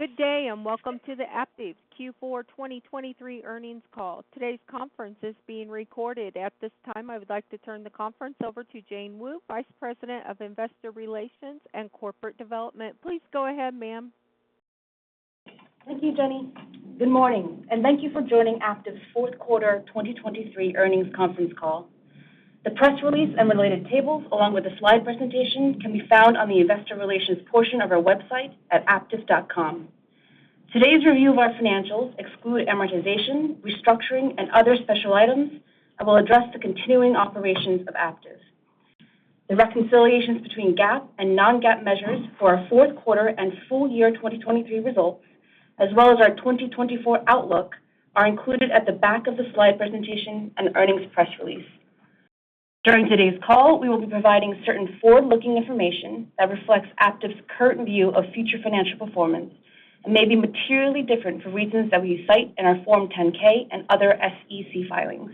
Good day, and welcome to the Aptiv Q4 2023 earnings call. Today's conference is being recorded. At this time, I would like to turn the conference over to Jane Wu, Vice President of Investor Relations and Corporate Development. Please go ahead, ma'am. Thank you, Jenny. Good morning, and thank you for joining Aptiv's fourth quarter 2023 earnings conference call. The press release and related tables, along with the slide presentation, can be found on the investor relations portion of our website at aptiv.com. Today's review of our financials excludes amortization, restructuring, and other special items and will address the continuing operations of Aptiv. The reconciliations between GAAP and non-GAAP measures for our fourth quarter and full year 2023 results, as well as our 2024 outlook, are included at the back of the slide presentation and earnings press release. During today's call, we will be providing certain forward-looking information that reflects Aptiv's current view of future financial performance and may be materially different for reasons that we cite in our Form 10-K and other SEC filings.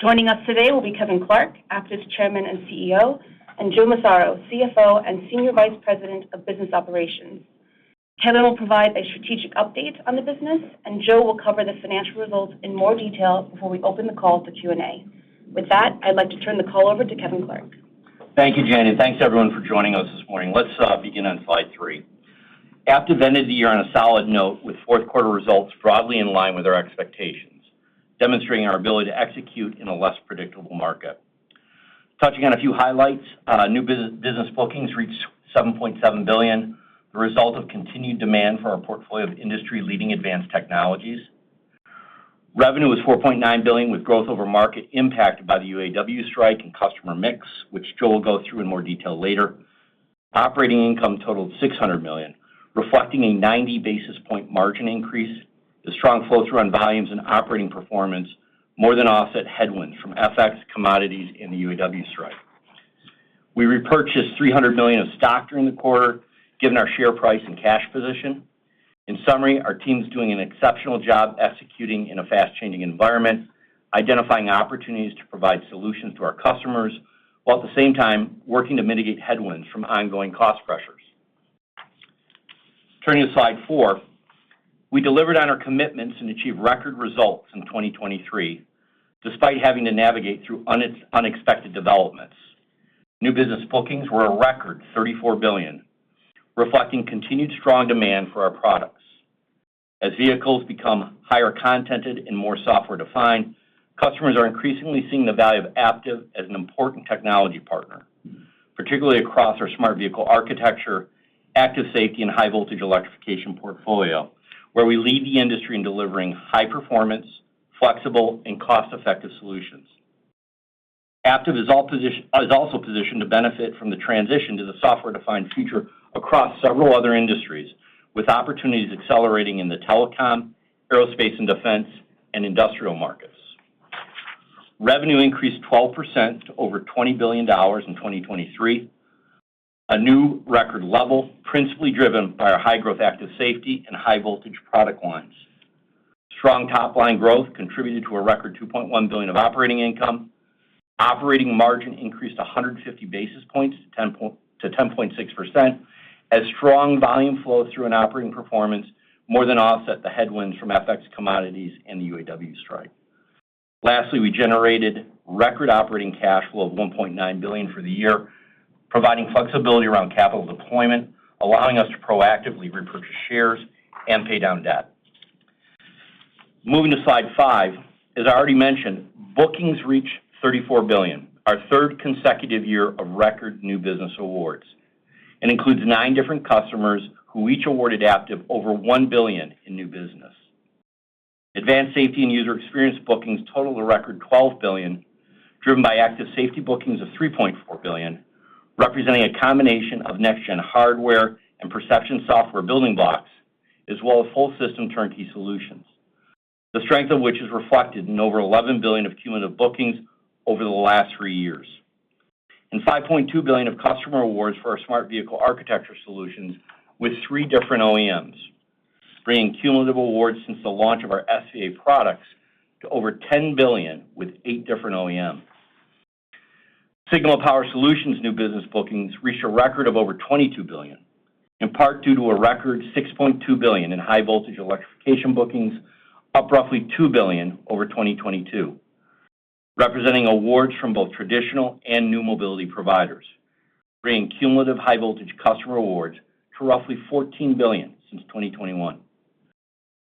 Joining us today will be Kevin Clark, Aptiv's Chairman and CEO, and Joe Massaro, CFO, and Senior Vice President of Business Operations. Kevin will provide a strategic update on the business, and Joe will cover the financial results in more detail before we open the call to Q&A. With that, I'd like to turn the call over to Kevin Clark. Thank you, Jane, and thanks, everyone, for joining us this morning. Let's begin on slide three. Aptiv ended the year on a solid note with fourth quarter results broadly in line with our expectations, demonstrating our ability to execute in a less predictable market. Touching on a few highlights, new business bookings reached $7.7 billion, the result of continued demand for our portfolio of industry-leading advanced technologies. Revenue was $4.9 billion, with growth over market impacted by the UAW strike and customer mix, which Joe will go through in more detail later. Operating income totaled $600 million, reflecting a 90 basis point margin increase. The strong flow-through on volumes and operating performance more than offset headwinds from FX commodities in the UAW strike. We repurchased $300 million of stock during the quarter, given our share price and cash position. In summary, our team's doing an exceptional job executing in a fast-changing environment, identifying opportunities to provide solutions to our customers, while at the same time working to mitigate headwinds from ongoing cost pressures. Turning to slide four, we delivered on our commitments and achieved record results in 2023, despite having to navigate through unexpected developments. New business bookings were a record $34 billion, reflecting continued strong demand for our products. As vehicles become higher-content and more software-defined, customers are increasingly seeing the value of Aptiv as an important technology partner, particularly across our Smart Vehicle Architecture, Active Safety, and high voltage electrification portfolio, where we lead the industry in delivering high performance, flexible, and cost-effective solutions. Aptiv is all position... Is also positioned to benefit from the transition to the software-defined future across several other industries, with opportunities accelerating in the telecom, aerospace and defense, and industrial markets. Revenue increased 12% to over $20 billion in 2023, a new record level, principally driven by our high-growth Active Safety and high-voltage product lines. Strong top-line growth contributed to a record $2.1 billion of operating income. Operating margin increased 150 basis points, to 10.6%, as strong volume flow through and operating performance more than offset the headwinds from FX commodities and the UAW strike. Lastly, we generated record operating cash flow of $1.9 billion for the year, providing flexibility around capital deployment, allowing us to proactively repurchase shares and pay down debt. Moving to slide five, as I already mentioned, bookings reached $34 billion, our third consecutive year of record new business awards, and includes nine different customers who each awarded Aptiv over $1 billion in new business. Advanced Safety and User Experience bookings totaled a record $12 billion, driven by Active Safety bookings of $3.4 billion, representing a combination of next-gen hardware and perception software building blocks, as well as full system turnkey solutions. The strength of which is reflected in over $11 billion of cumulative bookings over the last three years, and $5.2 billion of customer awards for our Smart Vehicle Architecture solutions with three different OEMs, bringing cumulative awards since the launch of our SVA products to over $10 billion with 8 different OEMs. Signal and Power Solutions new business bookings reached a record of over $22 billion, in part due to a record $6.2 billion in high voltage electrification bookings, up roughly $2 billion over 2022, representing awards from both traditional and new mobility providers, bringing cumulative high voltage customer awards to roughly $14 billion since 2021.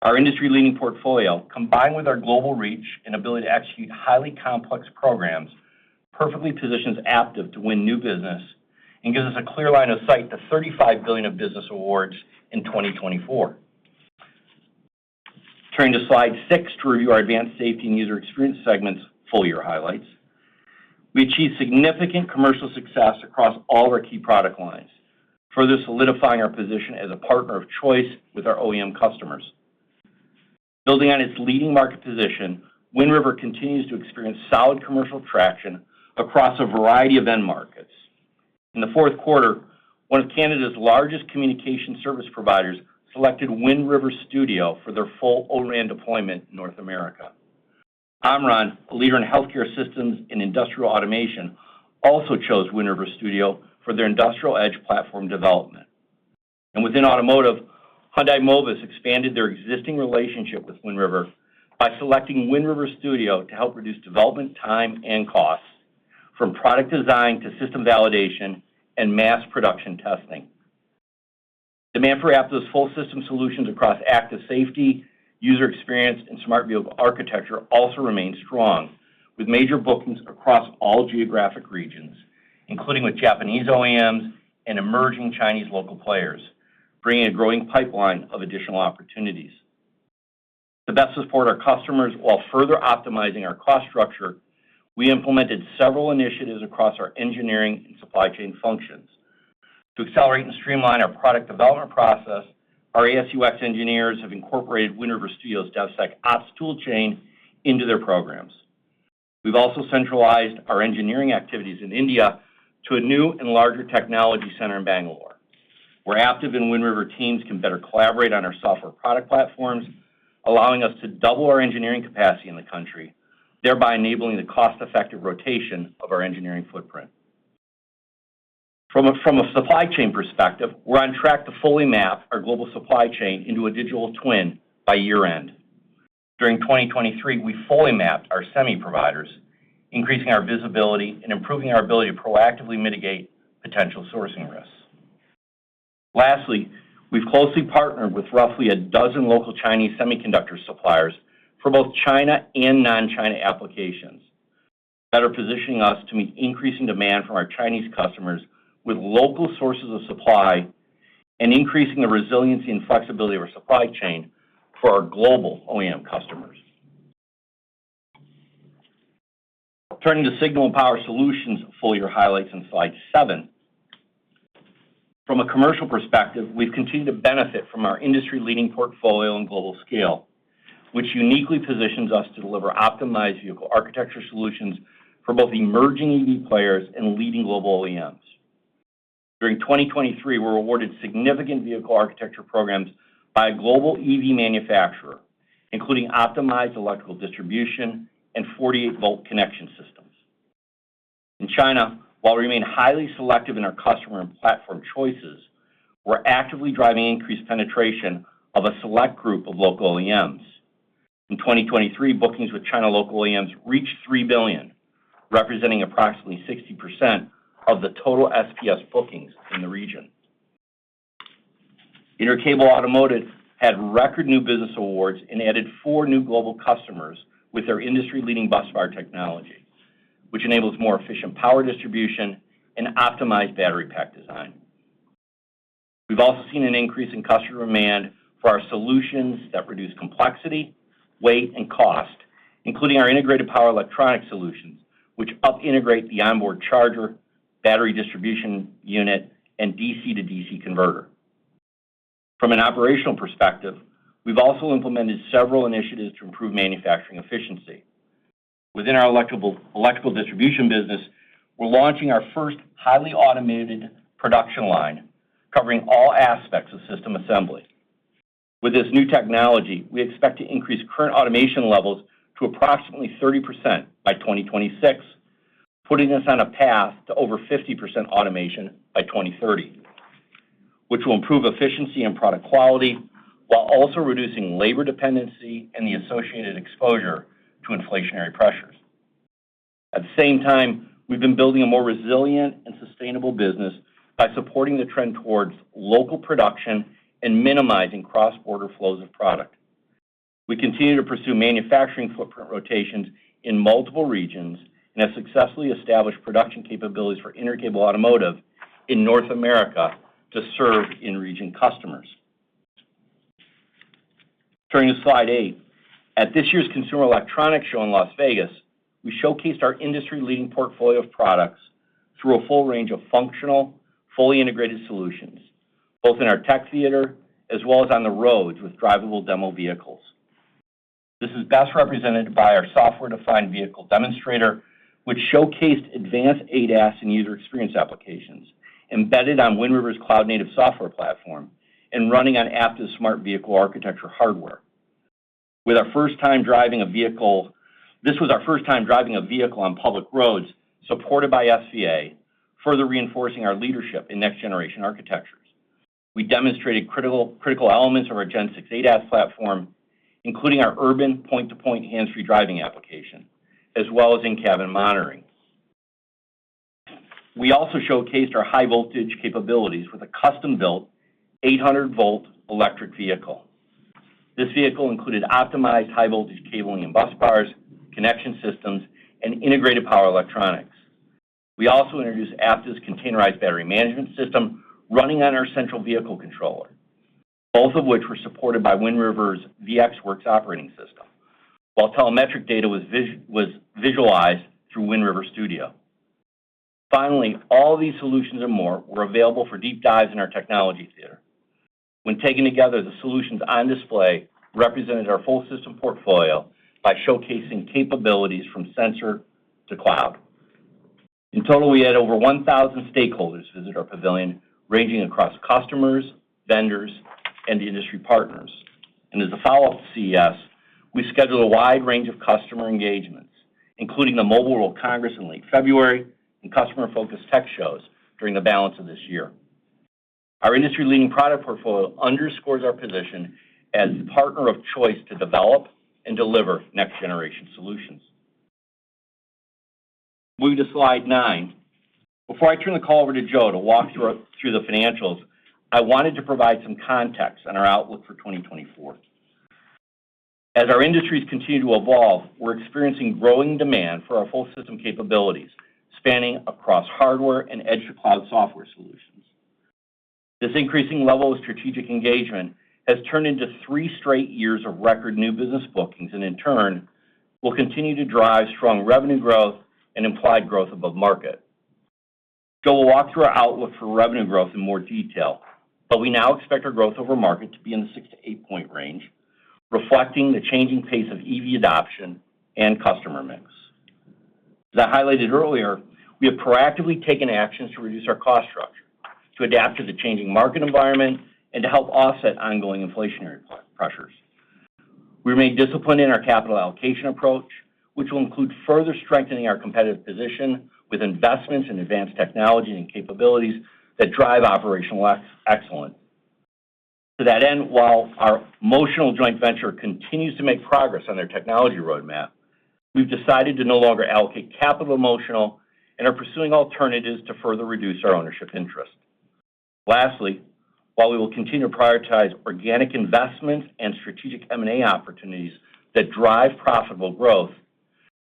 Our industry-leading portfolio, combined with our global reach and ability to execute highly complex programs, perfectly positions Aptiv to win new business and gives us a clear line of sight to $35 billion of business awards in 2024. Turning to slide six to review our Advanced Safety and User Experience segment's full year highlights. We achieved significant commercial success across all of our key product lines, further solidifying our position as a partner of choice with our OEM customers. Building on its leading market position, Wind River continues to experience solid commercial traction across a variety of end markets. In the fourth quarter, one of Canada's largest communication service providers selected Wind River Studio for their full O-RAN deployment in North America. Omron, a leader in healthcare systems and industrial automation, also chose Wind River Studio for their industrial edge platform development. And within automotive, Hyundai Mobis expanded their existing relationship with Wind River by selecting Wind River Studio to help reduce development time and costs, from product design to system validation and mass production testing. Demand for Aptiv's full system solutions across Active Safety, User Experience, and Smart Vehicle Architecture also remains strong, with major bookings across all geographic regions, including with Japanese OEMs and emerging Chinese local players, bringing a growing pipeline of additional opportunities. To best support our customers while further optimizing our cost structure, we implemented several initiatives across our engineering and supply chain functions. To accelerate and streamline our product development process, our AS&UX engineers have incorporated Wind River Studio's DevSecOps tool chain into their programs. We've also centralized our engineering activities in India to a new and larger technology center in Bangalore, where Aptiv and Wind River teams can better collaborate on our software product platforms, allowing us to double our engineering capacity in the country, thereby enabling the cost-effective rotation of our engineering footprint. From a supply chain perspective, we're on track to fully map our global supply chain into a digital twin by year-end. During 2023, we fully mapped our semi-providers, increasing our visibility and improving our ability to proactively mitigate potential sourcing risks. Lastly, we've closely partnered with roughly a dozen local Chinese semiconductor suppliers for both China and non-China applications that are positioning us to meet increasing demand from our Chinese customers with local sources of supply and increasing the resiliency and flexibility of our supply chain for our global OEM customers. Turning to Signal and Power Solutions, full-year highlights on slide seven. From a commercial perspective, we've continued to benefit from our industry-leading portfolio and global scale, which uniquely positions us to deliver optimized vehicle architecture solutions for both emerging EV players and leading global OEMs. During 2023, we were awarded significant vehicle architecture programs by a global EV manufacturer, including optimized electrical distribution and 48-volt connection systems. In China, while we remain highly selective in our customer and platform choices, we're actively driving increased penetration of a select group of local OEMs. In 2023, bookings with China local OEMs reached $3 billion, representing approximately 60% of the total SPS bookings in the region. Intercable Automotive had record new business awards and added four new global customers with their industry-leading busbar technology, which enables more efficient power distribution and optimized battery pack design. We've also seen an increase in customer demand for our solutions that reduce complexity, weight, and cost, including our integrated power electronic solutions, which integrate the onboard charger, battery distribution unit, and DC-to-DC converter. From an operational perspective, we've also implemented several initiatives to improve manufacturing efficiency. Within our electrical distribution business, we're launching our first highly automated production line, covering all aspects of system assembly. With this new technology, we expect to increase current automation levels to approximately 30% by 2026, putting us on a path to over 50% automation by 2030, which will improve efficiency and product quality while also reducing labor dependency and the associated exposure to inflationary pressures. At the same time, we've been building a more resilient and sustainable business by supporting the trend towards local production and minimizing cross-border flows of product. We continue to pursue manufacturing footprint rotations in multiple regions and have successfully established production capabilities for Intercable Automotive in North America to serve in-region customers. Turning to slide eight. At this year's Consumer Electronics Show in Las Vegas, we showcased our industry-leading portfolio of products through a full range of functional, fully integrated solutions, both in our tech theater as well as on the roads with drivable demo vehicles. This is best represented by our software-defined vehicle demonstrator, which showcased advanced ADAS and User Experience applications embedded on Wind River's cloud-native software platform and running on Aptiv's Smart Vehicle Architecture hardware. This was our first time driving a vehicle on public roads supported by SVA, further reinforcing our leadership in next-generation architectures. We demonstrated critical elements of our Gen 6 ADAS platform, including our urban point-to-point hands-free driving application, as well as in-cabin monitoring. We also showcased our high voltage capabilities with a custom-built 800-volt electric vehicle. This vehicle included optimized high voltage cabling and busbars, connection systems, and integrated power electronics. We also introduced Aptiv's containerized battery management system running on our central vehicle controller, both of which were supported by Wind River's VxWorks operating system, while telemetric data was visualized through Wind River Studio. Finally, all these solutions and more were available for deep dives in our technology theater. When taken together, the solutions on display represented our full system portfolio by showcasing capabilities from sensor to cloud. In total, we had over 1,000 stakeholders visit our pavilion, ranging across customers, vendors, and industry partners. As a follow-up to CES, we scheduled a wide range of customer engagements, including the Mobile World Congress in late February and customer-focused tech shows during the balance of this year. Our industry-leading product portfolio underscores our position as the partner of choice to develop and deliver next-generation solutions. Moving to slide nine. Before I turn the call over to Joe to walk through the financials, I wanted to provide some context on our outlook for 2024. As our industries continue to evolve, we're experiencing growing demand for our full system capabilities, spanning across hardware and edge-to-cloud software solutions. This increasing level of strategic engagement has turned into three straight years of record new business bookings, and in turn, will continue to drive strong revenue growth and implied growth above market. Joe will walk through our outlook for revenue growth in more detail, but we now expect our growth over market to be in the 6-8 point range, reflecting the changing pace of EV adoption and customer mix. As I highlighted earlier, we have proactively taken actions to reduce our cost structure, to adapt to the changing market environment, and to help offset ongoing inflationary pressures. We remain disciplined in our capital allocation approach, which will include further strengthening our competitive position with investments in advanced technology and capabilities that drive operational excellence. To that end, while our Motional joint venture continues to make progress on their technology roadmap, we've decided to no longer allocate capital to Motional and are pursuing alternatives to further reduce our ownership interest. Lastly, while we will continue to prioritize organic investments and strategic M&A opportunities that drive profitable growth,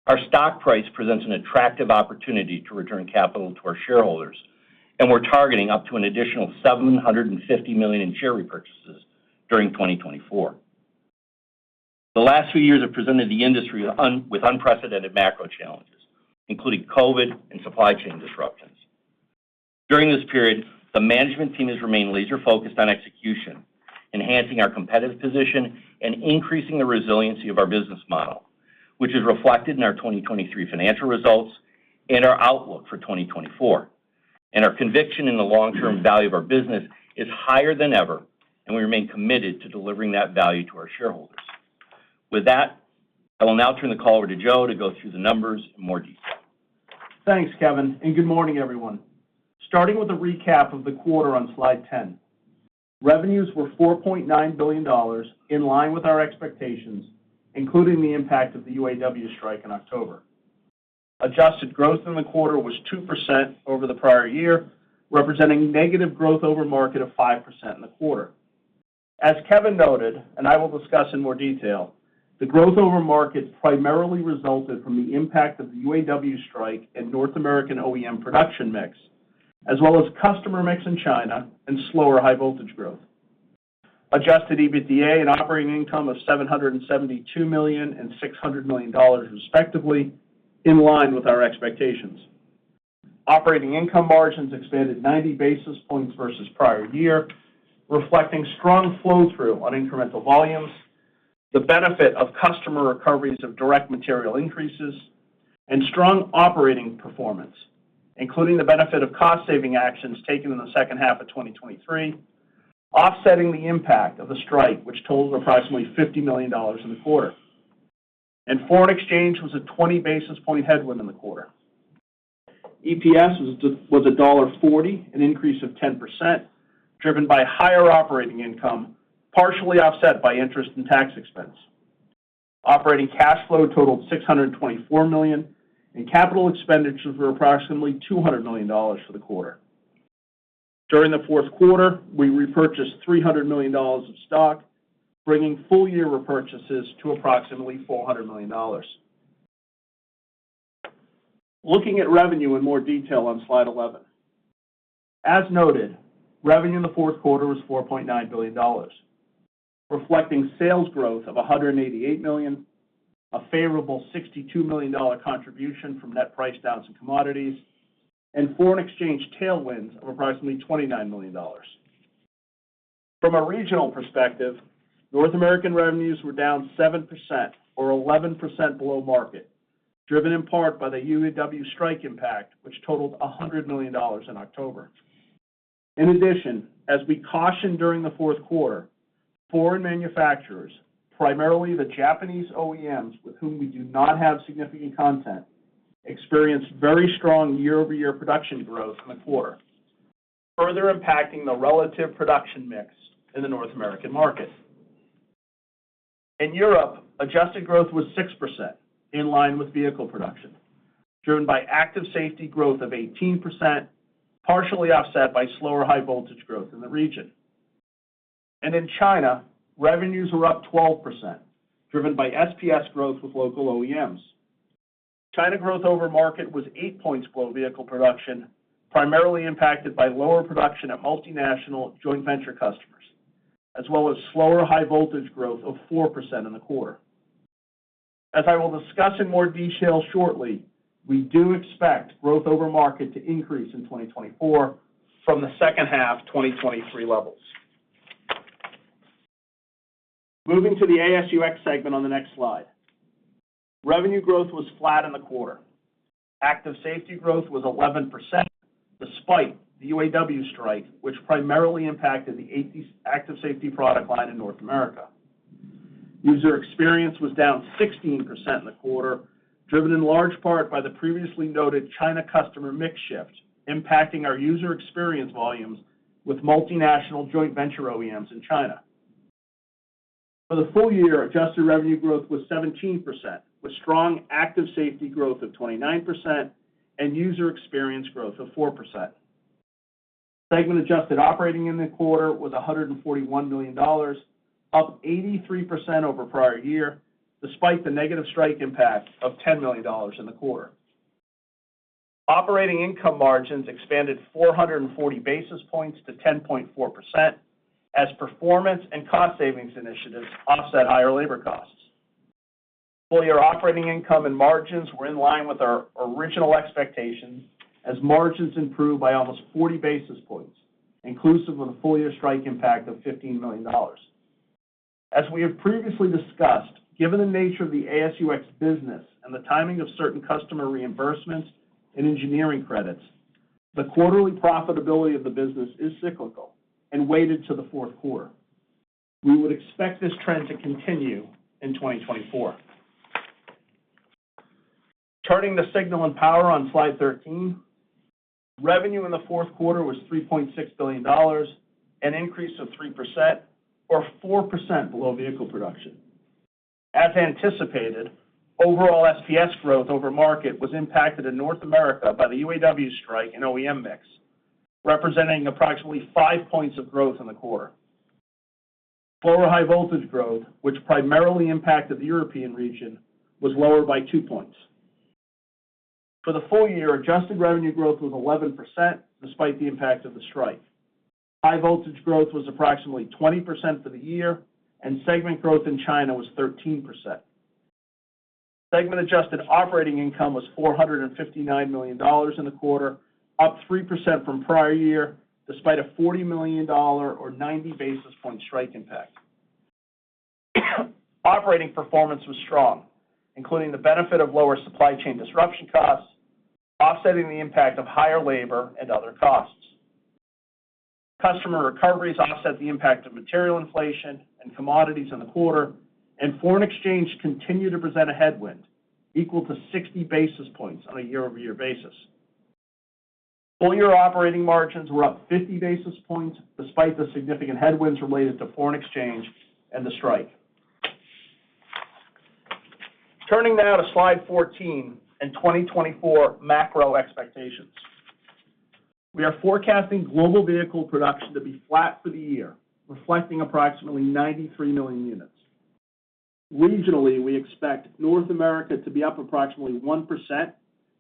our stock price presents an attractive opportunity to return capital to our shareholders, and we're targeting up to an additional $750 million in share repurchases during 2024. The last few years have presented the industry with unprecedented macro challenges, including COVID and supply chain disruptions. During this period, the management team has remained laser-focused on execution, enhancing our competitive position and increasing the resiliency of our business model, which is reflected in our 2023 financial results and our outlook for 2024. Our conviction in the long-term value of our business is higher than ever, and we remain committed to delivering that value to our shareholders. With that, I will now turn the call over to Joe to go through the numbers in more detail. Thanks, Kevin, and good morning, everyone. Starting with a recap of the quarter on slide 10. Revenues were $4.9 billion, in line with our expectations, including the impact of the UAW strike in October. Adjusted growth in the quarter was 2% over the prior year, representing negative growth over market of 5% in the quarter. As Kevin noted, and I will discuss in more detail, the growth over market primarily resulted from the impact of the UAW strike and North American OEM production mix, as well as customer mix in China and slower high voltage growth. Adjusted EBITDA and operating income of $772 million and $600 million, respectively, in line with our expectations. Operating income margins expanded 90 basis points versus prior year, reflecting strong flow-through on incremental volumes, the benefit of customer recoveries of direct material increases, and strong operating performance, including the benefit of cost-saving actions taken in the second half of 2023, offsetting the impact of the strike, which totaled approximately $50 million in the quarter. Foreign exchange was a 20 basis point headwind in the quarter. EPS was $1.40, an increase of 10%, driven by higher operating income, partially offset by interest and tax expense. Operating cash flow totaled $624 million, and capital expenditures were approximately $200 million for the quarter. During the fourth quarter, we repurchased $300 million of stock, bringing full-year repurchases to approximately $400 million. Looking at revenue in more detail on slide 11. As noted, revenue in the fourth quarter was $4.9 billion, reflecting sales growth of $188 million, a favorable $62 million contribution from net price downs in commodities, and foreign exchange tailwinds of approximately $29 million. From a regional perspective, North American revenues were down 7% or 11% below market, driven in part by the UAW strike impact, which totaled $100 million in October. In addition, as we cautioned during the fourth quarter, foreign manufacturers, primarily the Japanese OEMs with whom we do not have significant content, experienced very strong year-over-year production growth in the quarter, further impacting the relative production mix in the North American market. In Europe, adjusted growth was 6%, in line with vehicle production, driven by Active Safety growth of 18%, partially offset by slower high voltage growth in the region. In China, revenues were up 12%, driven by SPS growth with local OEMs. China growth over market was 8 points below vehicle production, primarily impacted by lower production at multinational joint venture customers, as well as slower high voltage growth of 4% in the quarter. As I will discuss in more detail shortly, we do expect growth over market to increase in 2024 from the second half 2023 levels. Moving to the AS&UX segment on the next slide. Revenue growth was flat in the quarter. Active Safety growth was 11%, despite the UAW strike, which primarily impacted the Active Safety product line in North America. User Experience was down 16% in the quarter, driven in large part by the previously noted China customer mix shift, impacting our User Experience volumes with multinational joint venture OEMs in China. For the full year, adjusted revenue growth was 17%, with strong Active Safety growth of 29% and User Experience growth of 4%. Segment adjusted operating income in the quarter was $141 million, up 83% over prior year, despite the negative strike impact of $10 million in the quarter. Operating income margins expanded 440 basis points to 10.4%, as performance and cost savings initiatives offset higher labor costs. Full year operating income and margins were in line with our original expectations, as margins improved by almost 40 basis points, inclusive of a full year strike impact of $15 million. As we have previously discussed, given the nature of the AS&UX business and the timing of certain customer reimbursements and engineering credits, the quarterly profitability of the business is cyclical and weighted to the fourth quarter. We would expect this trend to continue in 2024. Turning to Signal and Power Solutions on slide 13, revenue in the fourth quarter was $3.6 billion, an increase of 3% or 4% below vehicle production. As anticipated, overall SPS growth over market was impacted in North America by the UAW strike and OEM mix, representing approximately 5 points of growth in the quarter. Lower high voltage growth, which primarily impacted the European region, was lower by 2 points. For the full year, adjusted revenue growth was 11%, despite the impact of the strike. High voltage growth was approximately 20% for the year, and segment growth in China was 13%. Segment adjusted operating income was $459 million in the quarter, up 3% from prior year, despite a $40 million or 90 basis points strike impact. Operating performance was strong, including the benefit of lower supply chain disruption costs, offsetting the impact of higher labor and other costs. Customer recoveries offset the impact of material inflation and commodities in the quarter, and foreign exchange continued to present a headwind equal to 60 basis points on a year-over-year basis. Full year operating margins were up 50 basis points, despite the significant headwinds related to foreign exchange and the strike. Turning now to slide 14 and 2024 macro expectations. We are forecasting global vehicle production to be flat for the year, reflecting approximately 93 million units. Regionally, we expect North America to be up approximately 1%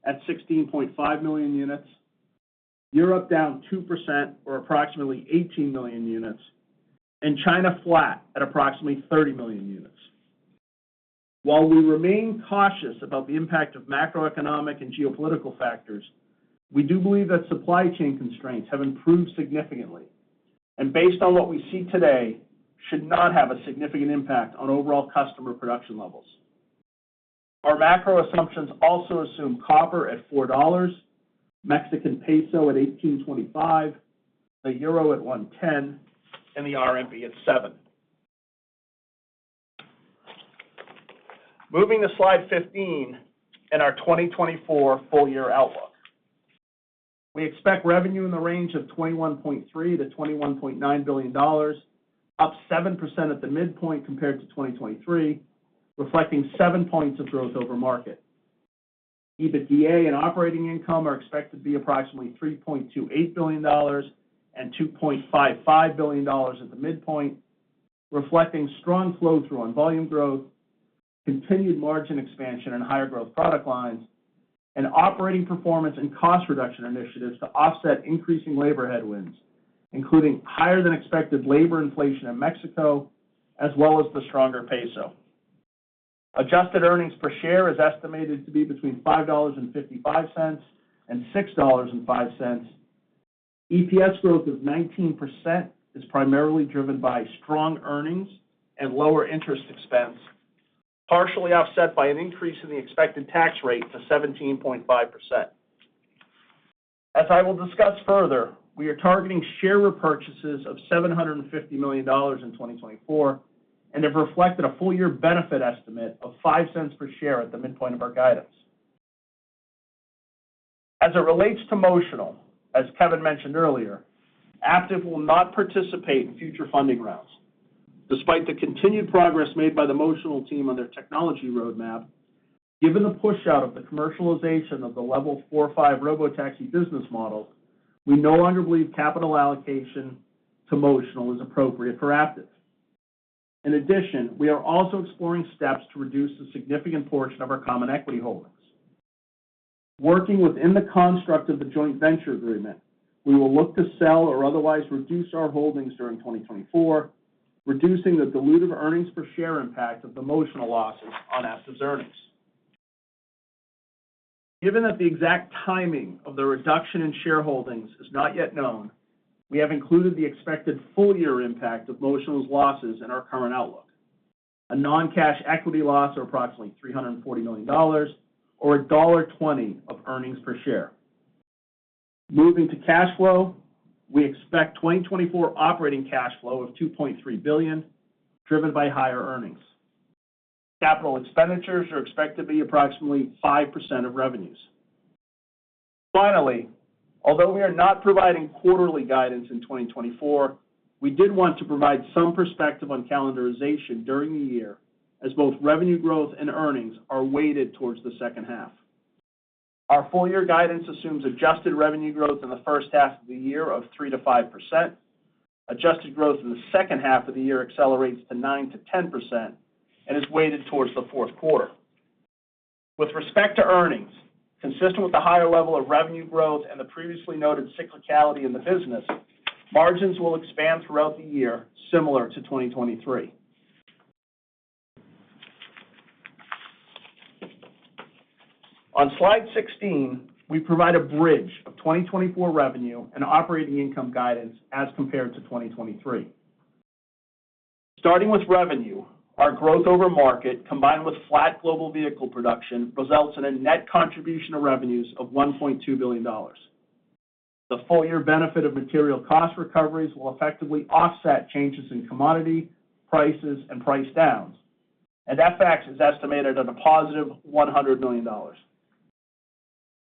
at 16.5 million units, Europe down 2% or approximately 18 million units, and China flat at approximately 30 million units. While we remain cautious about the impact of macroeconomic and geopolitical factors, we do believe that supply chain constraints have improved significantly, and based on what we see today, should not have a significant impact on overall customer production levels. Our macro assumptions also assume copper at $4, Mexican peso at 18.25, the euro at 1.10, and the RMB at 7 RMB. Moving to slide 15 and our 2024 full year outlook. We expect revenue in the range of $21.3 billion-$21.9 billion, up 7% at the midpoint compared to 2023, reflecting 7 points of growth over market. EBITDA and operating income are expected to be approximately $3.28 billion and $2.55 billion at the midpoint, reflecting strong flow-through on volume growth, continued margin expansion in higher growth product lines, and operating performance and cost reduction initiatives to offset increasing labor headwinds, including higher than expected labor inflation in Mexico, as well as the stronger peso. Adjusted earnings per share is estimated to be between $5.55 and $6.05. 19% EPS growth is primarily driven by strong earnings and lower interest expense, partially offset by an increase in the expected tax rate to 17.5%. As I will discuss further, we are targeting share repurchases of $750 million in 2024 and have reflected a full year benefit estimate of $0.05 per share at the midpoint of our guidance. As it relates to Motional, as Kevin mentioned earlier, Aptiv will not participate in future funding rounds. Despite the continued progress made by the Motional team on their technology roadmap, given the push out of the commercialization of the Level 4, 5 robotaxi business model, we no longer believe capital allocation to Motional is appropriate for Aptiv. In addition, we are also exploring steps to reduce a significant portion of our common equity holdings. Working within the construct of the joint venture agreement, we will look to sell or otherwise reduce our holdings during 2024, reducing the dilutive earnings per share impact of the Motional losses on Aptiv's earnings. Given that the exact timing of the reduction in shareholdings is not yet known, we have included the expected full year impact of Motional's losses in our current outlook. A non-cash equity loss of approximately $340 million or $1.20 of earnings per share. Moving to cash flow, we expect 2024 operating cash flow of $2.3 billion, driven by higher earnings. Capital expenditures are expected to be approximately 5% of revenues. Finally, although we are not providing quarterly guidance in 2024, we did want to provide some perspective on calendarization during the year, as both revenue growth and earnings are weighted towards the second half. Our full year guidance assumes adjusted revenue growth in the first half of the year of 3%-5%. Adjusted growth in the second half of the year accelerates to 9%-10% and is weighted towards the fourth quarter. With respect to earnings, consistent with the higher level of revenue growth and the previously noted cyclicality in the business, margins will expand throughout the year, similar to 2023. On slide 16, we provide a bridge of 2024 revenue and operating income guidance as compared to 2023. Starting with revenue, our growth over market, combined with flat global vehicle production, results in a net contribution of revenues of $1.2 billion. The full year benefit of material cost recoveries will effectively offset changes in commodity prices and price downs, and that fact is estimated at a positive $100 million.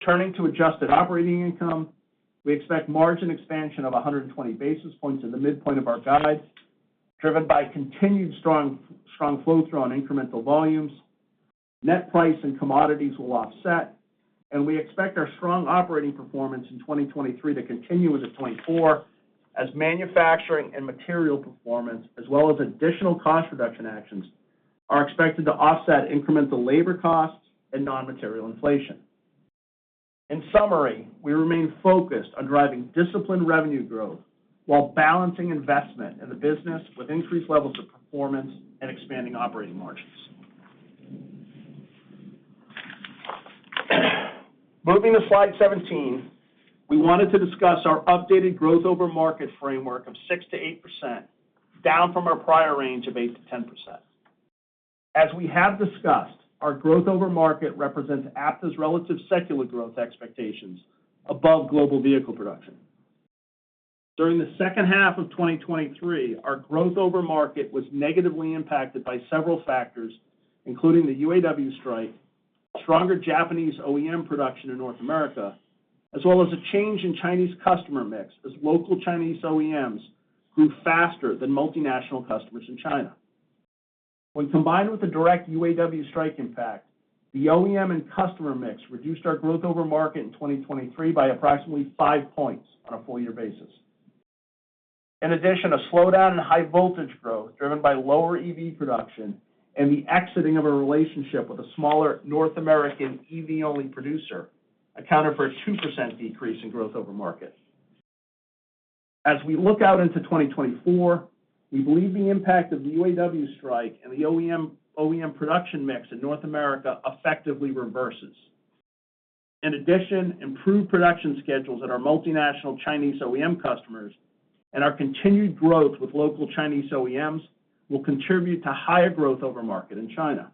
Turning to adjusted operating income, we expect margin expansion of 100 basis points in the midpoint of our guide, driven by continued strong flow-through on incremental volumes. Net price and commodities will offset, and we expect our strong operating performance in 2023 to continue into 2024, as manufacturing and material performance, as well as additional cost reduction actions, are expected to offset incremental labor costs and non-material inflation. In summary, we remain focused on driving disciplined revenue growth while balancing investment in the business with increased levels of performance and expanding operating margins. Moving to slide 17, we wanted to discuss our updated growth over market framework of 6%-8%, down from our prior range of 8%-10%. As we have discussed, our growth over market represents Aptiv's relative secular growth expectations above global vehicle production. During the second half of 2023, our growth over market was negatively impacted by several factors, including the UAW strike, stronger Japanese OEM production in North America, as well as a change in Chinese customer mix, as local Chinese OEMs grew faster than multinational customers in China. When combined with the direct UAW strike impact, the OEM and customer mix reduced our growth over market in 2023 by approximately 5 points on a full year basis. In addition, a slowdown in high voltage growth, driven by lower EV production and the exiting of a relationship with a smaller North American EV-only producer, accounted for a 2% decrease in growth over market. As we look out into 2024, we believe the impact of the UAW strike and the OEM, OEM production mix in North America effectively reverses. In addition, improved production schedules at our multinational Chinese OEM customers and our continued growth with local Chinese OEMs will contribute to higher growth over market in China.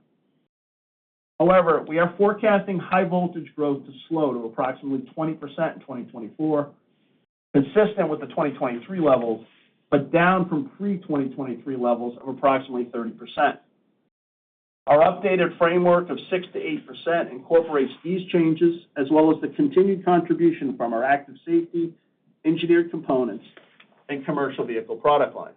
However, we are forecasting high voltage growth to slow to approximately 20% in 2024, consistent with the 2023 levels, but down from pre-2023 levels of approximately 30%. Our updated framework of 6%-8% incorporates these changes, as well as the continued contribution from our Active Safety, Engineered Components, and commercial vehicle product lines.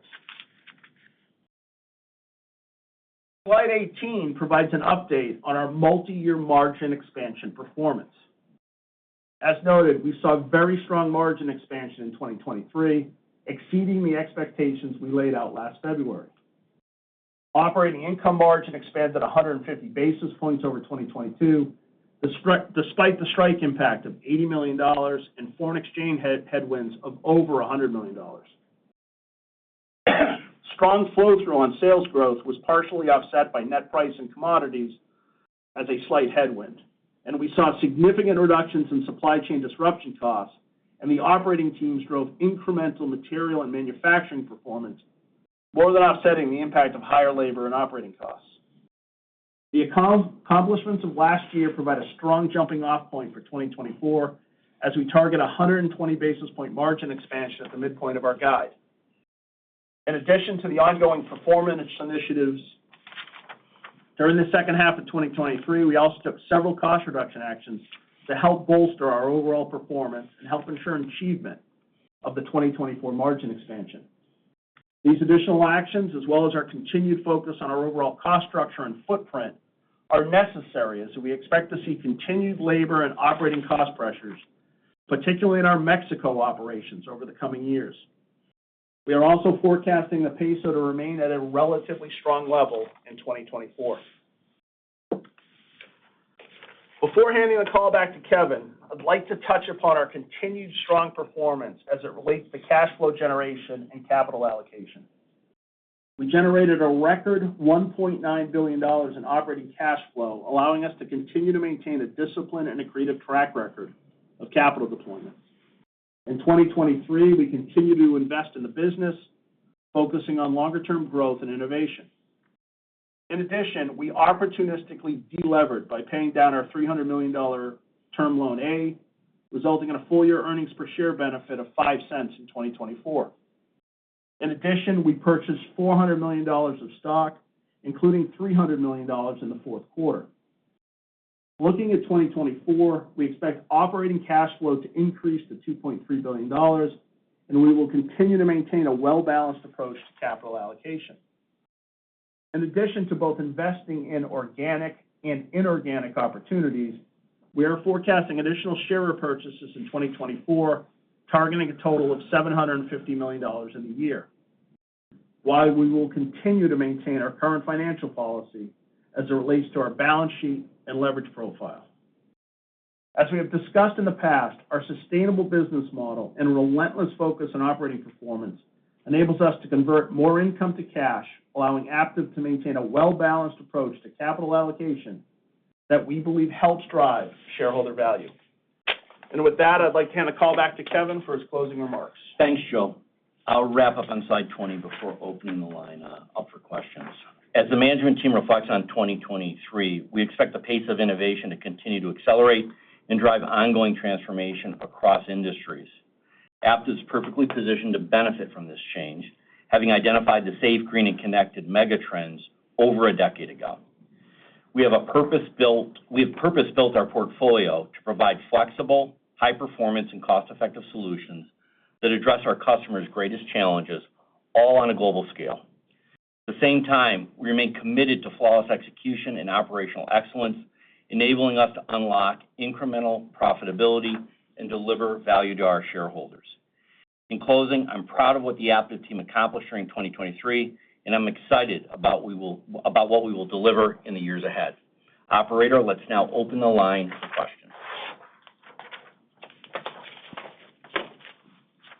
Slide 18 provides an update on our multi-year margin expansion performance. As noted, we saw very strong margin expansion in 2023, exceeding the expectations we laid out last February. Operating income margin expanded 150 basis points over 2022, despite the strike impact of $80 million and foreign exchange headwinds of over $100 million. Strong flow-through on sales growth was partially offset by net price and commodities as a slight headwind, and we saw significant reductions in supply chain disruption costs, and the operating teams drove incremental material and manufacturing performance, more than offsetting the impact of higher labor and operating costs. The accomplishments of last year provide a strong jumping off point for 2024, as we target 120 basis point margin expansion at the midpoint of our guide. In addition to the ongoing performance initiatives, during the second half of 2023, we also took several cost reduction actions to help bolster our overall performance and help ensure achievement of the 2024 margin expansion. These additional actions, as well as our continued focus on our overall cost structure and footprint, are necessary as we expect to see continued labor and operating cost pressures, particularly in our Mexico operations over the coming years. We are also forecasting the peso to remain at a relatively strong level in 2024. Before handing the call back to Kevin, I'd like to touch upon our continued strong performance as it relates to cash flow generation and capital allocation. We generated a record $1.9 billion in operating cash flow, allowing us to continue to maintain a discipline and a creative track record of capital deployment. In 2023, we continued to invest in the business, focusing on longer-term growth and innovation. In addition, we opportunistically de-levered by paying down our $300 million Term Loan A, resulting in a full year earnings per share benefit of $0.05 in 2024. In addition, we purchased $400 million of stock, including $300 million in the fourth quarter. Looking at 2024, we expect operating cash flow to increase to $2.3 billion, and we will continue to maintain a well-balanced approach to capital allocation. In addition to both investing in organic and inorganic opportunities, we are forecasting additional share repurchases in 2024, targeting a total of $750 million in the year, while we will continue to maintain our current financial policy as it relates to our balance sheet and leverage profile. As we have discussed in the past, our sustainable business model and relentless focus on operating performance enables us to convert more income to cash, allowing Aptiv to maintain a well-balanced approach to capital allocation that we believe helps drive shareholder value. With that, I'd like to hand the call back to Kevin for his closing remarks. Thanks, Joe. I'll wrap up on slide 20 before opening the line up for questions. As the management team reflects on 2023, we expect the pace of innovation to continue to accelerate and drive ongoing transformation across industries. Aptiv is perfectly positioned to benefit from this change, having identified the safe, green, and connected megatrends over a decade ago. We have purpose-built our portfolio to provide flexible, high-performance, and cost-effective solutions that address our customers' greatest challenges, all on a global scale. At the same time, we remain committed to flawless execution and operational excellence, enabling us to unlock incremental profitability and deliver value to our shareholders. In closing, I'm proud of what the Aptiv team accomplished during 2023, and I'm excited about what we will deliver in the years ahead. Operator, let's now open the line for questions.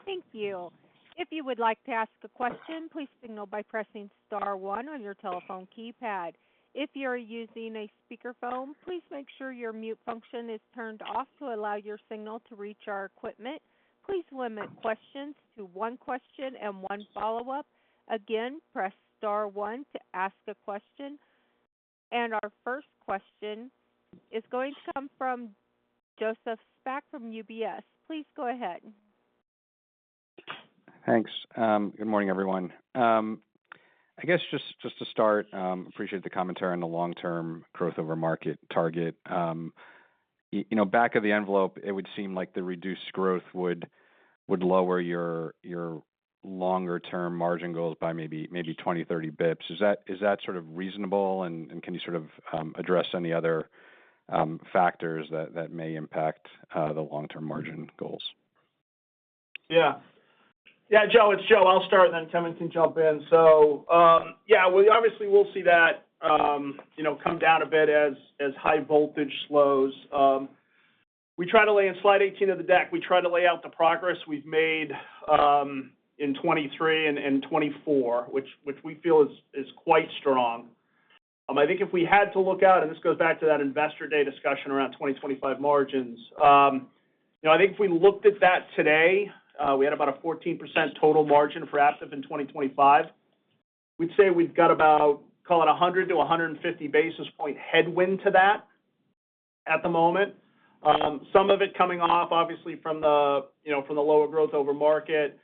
Thank you. If you would like to ask a question, please signal by pressing star one on your telephone keypad. If you're using a speakerphone, please make sure your mute function is turned off to allow your signal to reach our equipment. Please limit questions to one question and one follow-up. Again, press star one to ask a question. Our first question is going to come from Joseph Spak from UBS. Please go ahead. Thanks. Good morning, everyone. I guess just to start, appreciate the commentary on the long-term growth over market target. You know, back of the envelope, it would seem like the reduced growth would lower your longer-term margin goals by maybe 20-30 basis points. Is that sort of reasonable, and can you sort of address any other factors that may impact the long-term margin goals? Yeah. Yeah, Joe, it's Joe. I'll start, and then Kevin can jump in. So, yeah, we obviously will see that, you know, come down a bit as, as high voltage slows. We try to lay in slide 18 of the deck. We try to lay out the progress we've made, in 2023 and, and 2024, which, which we feel is, is quite strong. I think if we had to look out, and this goes back to that investor day discussion around 2025 margins, you know, I think if we looked at that today, we had about a 14% total margin for Aptiv in 2025. We'd say we've got about, call it a 100-150 basis point headwind to that at the moment. Some of it coming off, obviously, from the, you know, from the lower growth over market.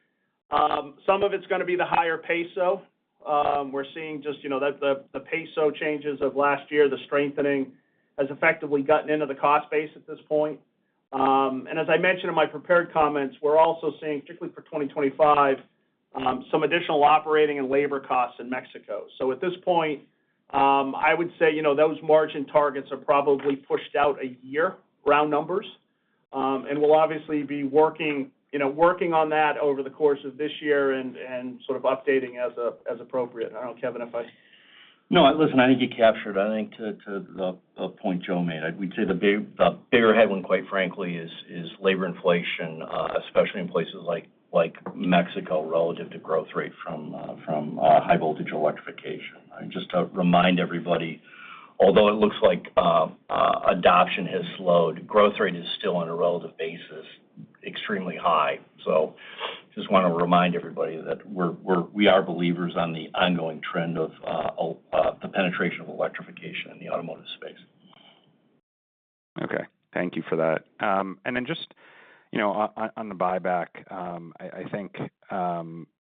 Some of it's gonna be the higher peso. We're seeing just, you know, that the, the peso changes of last year, the strengthening, has effectively gotten into the cost base at this point. And as I mentioned in my prepared comments, we're also seeing, particularly for 2025, some additional operating and labor costs in Mexico. So at this point, I would say, you know, those margin targets are probably pushed out a year, round numbers. And we'll obviously be working, you know, working on that over the course of this year and, and sort of updating as, as appropriate. I don't know, Kevin, if I- No, listen, I think you captured it. I think to the point Joe made, we'd say the bigger headwind, quite frankly, is labor inflation, especially in places like Mexico, relative to growth rate from high voltage electrification. And just to remind everybody, although it looks like adoption has slowed, growth rate is still on a relative basis, extremely high. So just wanna remind everybody that we are believers on the ongoing trend of the penetration of electrification in the automotive space. Okay. Thank you for that. And then just, you know, on the buyback, I think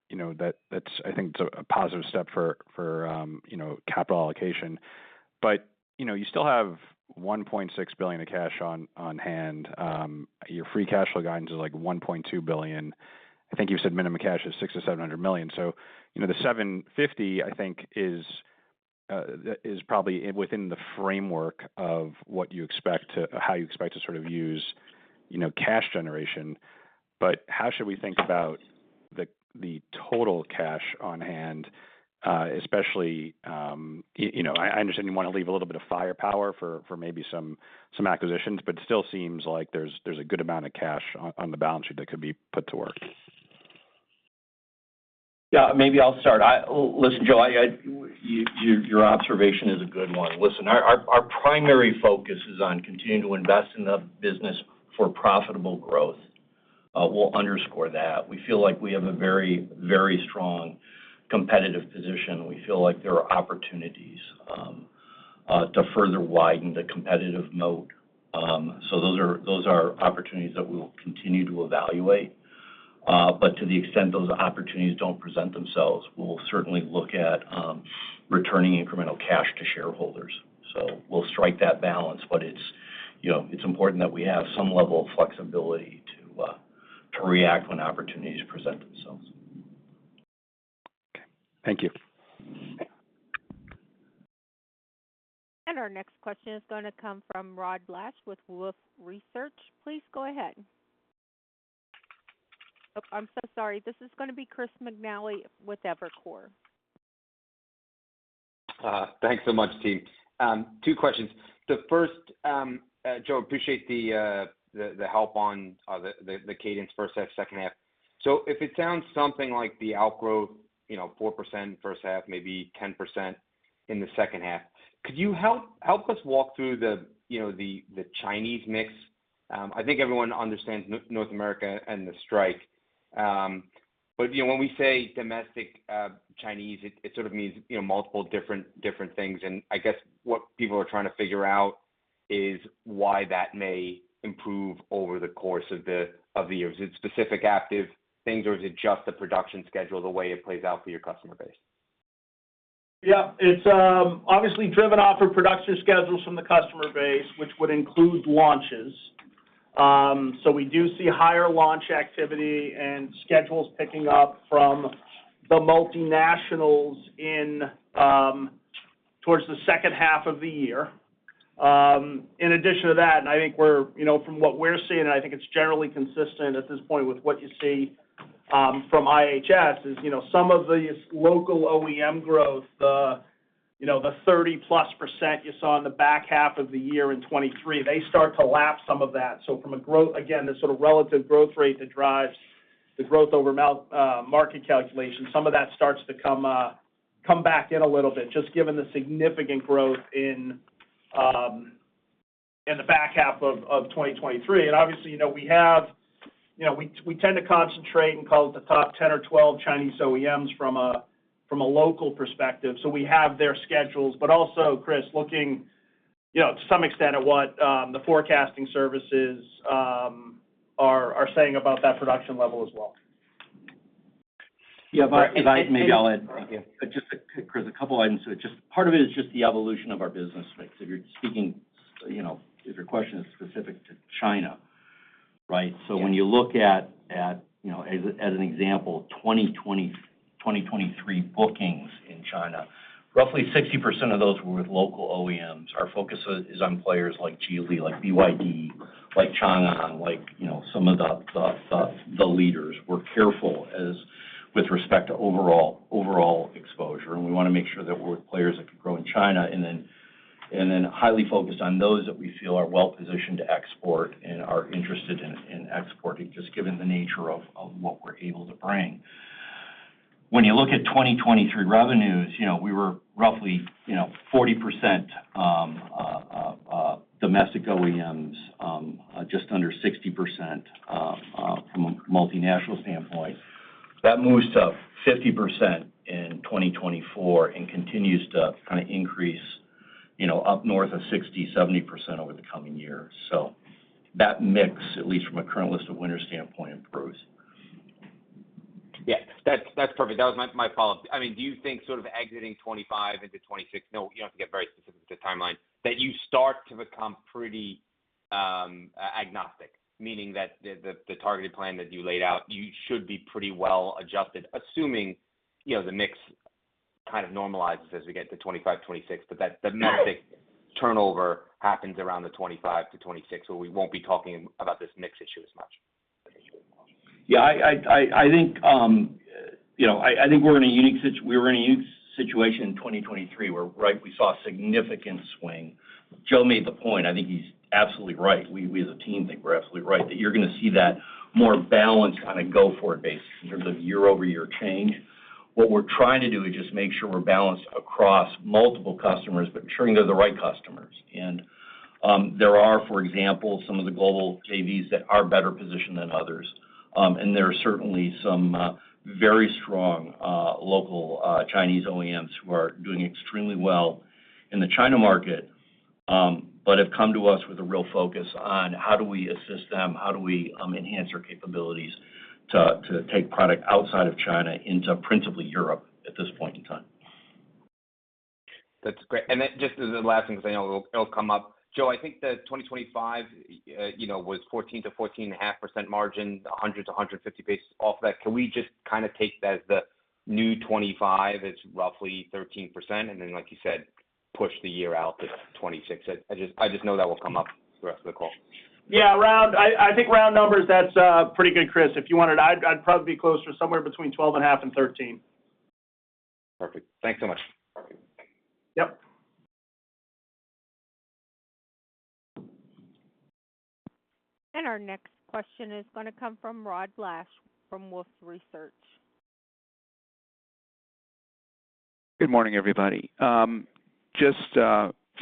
you know, that's—I think it's a positive step for you know, capital allocation. But, you know, you still have $1.6 billion of cash on hand. Your free cash flow guidance is, like, $1.2 billion. I think you said minimum cash is $600 million-$700 million. So, you know, the $750 million, I think, is probably within the framework of what you expect to—how you expect to sort of use, you know, cash generation. But how should we think about the total cash on hand? Especially, you know, I understand you wanna leave a little bit of firepower for maybe some acquisitions, but it still seems like there's a good amount of cash on the balance sheet that could be put to work. Yeah, maybe I'll start. Listen, Joe, your observation is a good one. Listen, our primary focus is on continuing to invest in the business for profitable growth. We'll underscore that. We feel like we have a very, very strong competitive position. We feel like there are opportunities to further widen the competitive moat. So those are opportunities that we will continue to evaluate. But to the extent those opportunities don't present themselves, we will certainly look at returning incremental cash to shareholders. So we'll strike that balance, but it's, you know, it's important that we have some level of flexibility to react when opportunities present themselves. Okay. Thank you. Our next question is going to come from Rod Lache with Wolfe Research. Please go ahead. Oh, I'm so sorry. This is gonna be Chris McNally with Evercore. Thanks so much, team. Two questions. The first, Joe, I appreciate the help on the cadence first half, second half. So if it sounds something like the outgrowth, you know, 4% first half, maybe 10% in the second half, could you help us walk through the, you know, the Chinese mix? I think everyone understands North America and the strike. But, you know, when we say domestic Chinese, it sort of means, you know, multiple different things. And I guess what people are trying to figure out is why that may improve over the course of the year. Is it specific active things, or is it just the production schedule, the way it plays out for your customer base? Yeah, it's obviously driven off of production schedules from the customer base, which would include launches. So we do see higher launch activity and schedules picking up from the multinationals in towards the second half of the year. In addition to that, and I think we're, you know, from what we're seeing, and I think it's generally consistent at this point with what you see from IHS, is, you know, some of these local OEM growth, the, you know, the 30%+ you saw in the back half of the year in 2023, they start to lap some of that. So from a growth, again, the sort of relative growth rate that drives the growth over market calculation, some of that starts to come back in a little bit, just given the significant growth in the back half of 2023. And obviously, you know, we have, you know, we tend to concentrate and call it the top 10 or 12 Chinese OEMs from a local perspective. So we have their schedules, but also, Chris, looking, you know, to some extent at what the forecasting services are saying about that production level as well. Yeah, if I maybe I'll add. Thank you. Just a, Chris, a couple items to it. Just part of it is just the evolution of our business mix. If you're speaking, you know, if your question is specific to China, right? Yeah. So when you look at, you know, as an example, 2023 bookings in China, roughly 60% of those were with local OEMs. Our focus is on players like Geely, like BYD, like Changan, like, you know, some of the leaders. We're careful with respect to overall exposure, and we want to make sure that we're with players that can grow in China and then highly focused on those that we feel are well-positioned to export and are interested in exporting, just given the nature of what we're able to bring. When you look at 2023 revenues, you know, we were roughly, you know, 40% domestic OEMs, just under 60% from a multinational standpoint. That moves to 50% in 2024 and continues to kind of increase, you know, up north of 60%, 70% over the coming years. So that mix, at least from a current list of winners standpoint, improves. Yeah, that's perfect. That was my follow-up. I mean, do you think sort of exiting 2025 into 2026, no, you don't have to get very specific to the timeline, that you start to become pretty agnostic, meaning that the targeted plan that you laid out, you should be pretty well adjusted, assuming, you know, the mix kind of normalizes as we get to 2025, 2026. But that domestic turnover happens around the 2025 to 2026, so we won't be talking about this mix issue as much. Yeah, I think, you know, I think we're in a unique situation—we were in a unique situation in 2023, where, right, we saw a significant swing. Joe made the point, I think he's absolutely right. We as a team think we're absolutely right, that you're gonna see that more balanced kind of go-forward basis in terms of year-over-year change. What we're trying to do is just make sure we're balanced across multiple customers, but ensuring they're the right customers. And, there are, for example, some of the global JVs that are better positioned than others. There are certainly some very strong local Chinese OEMs who are doing extremely well in the China market, but have come to us with a real focus on how do we assist them, how do we enhance their capabilities to take product outside of China into principally Europe at this point in time. That's great. And then just as a last thing, because I know it'll, it'll come up. Joe, I think the 2025, you know, was 14%-14.5% margin, 100-150 basis off that. Can we just kind of take that as the new 2025 is roughly 13%, and then, like you said, push the year out to 2026? I just, I just know that will come up the rest of the call. Yeah, round numbers, that's pretty good, Chris. If you wanted, I'd probably be closer somewhere between 12.5% and 13%. Perfect. Thanks so much. Yep. And our next question is going to come from Rod Lache from Wolfe Research. Good morning, everybody. Just,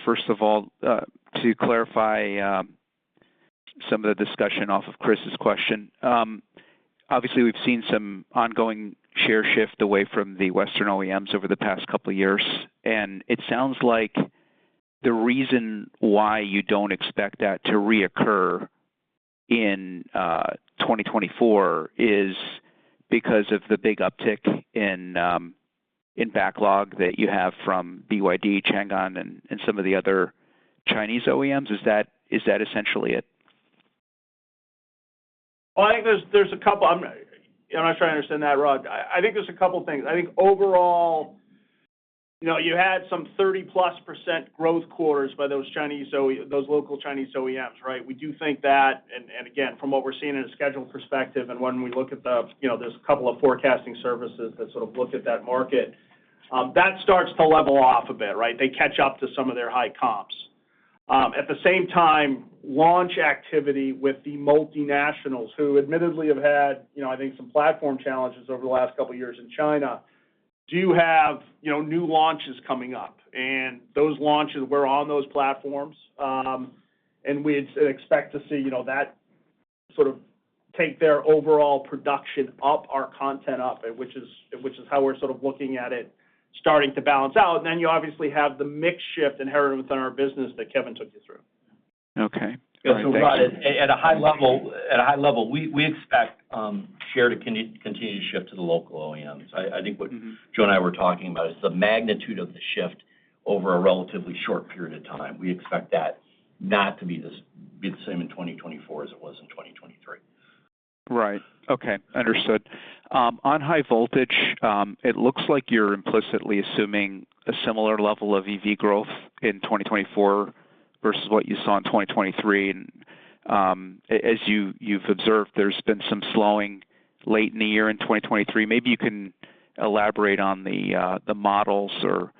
first of all, to clarify, some of the discussion off of Chris's question. Obviously, we've seen some ongoing share shift away from the Western OEMs over the past couple of years, and it sounds like the reason why you don't expect that to reoccur in 2024 is because of the big uptick in in backlog that you have from BYD, Changan, and, and some of the other Chinese OEMs. Is that, is that essentially it? Well, I think there's a couple... I'm not sure I understand that, Rod. I think there's a couple of things. I think overall, you know, you had some 30%+ growth quarters by those local Chinese OEMs, right? We do think that, and again, from what we're seeing in a schedule perspective, and when we look at the, you know, there's a couple of forecasting services that sort of look at that market, that starts to level off a bit, right? They catch up to some of their high comps. At the same time, launch activity with the multinationals, who admittedly have had, you know, I think, some platform challenges over the last couple of years in China, do have, you know, new launches coming up, and those launches were on those platforms. We'd expect to see, you know, that sort of take their overall production up, our content up, which is, which is how we're sort of looking at it, starting to balance out. Then you obviously have the mix shift inherited within our business that Kevin took you through. Okay. So, Rod, at a high level, we expect share to continue to shift to the local OEMs. I think what Joe and I were talking about is the magnitude of the shift over a relatively short period of time. We expect that not to be the same in 2024 as it was in 2023. Right. Okay, understood. On high voltage, it looks like you're implicitly assuming a similar level of EV growth in 2024 versus what you saw in 2023. And, as you've observed, there's been some slowing late in the year in 2023. Maybe you can elaborate on the models or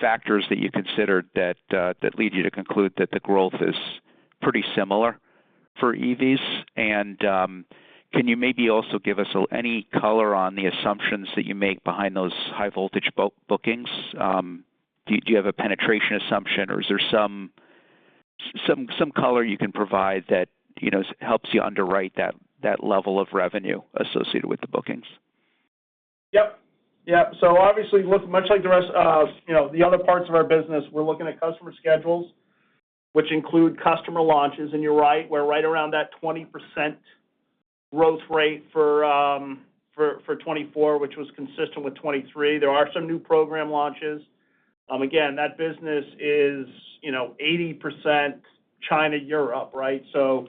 factors that you considered that lead you to conclude that the growth is pretty similar for EVs. And, can you maybe also give us any color on the assumptions that you make behind those high voltage bookings? Do you have a penetration assumption, or is there some color you can provide that, you know, helps you underwrite that level of revenue associated with the bookings? Yep. Yep. So obviously, look, much like the rest of, you know, the other parts of our business, we're looking at customer schedules, which include customer launches. And you're right, we're right around that 20% growth rate for 2024, which was consistent with 2023. There are some new program launches. Again, that business is, you know, 80% China, Europe, right? So,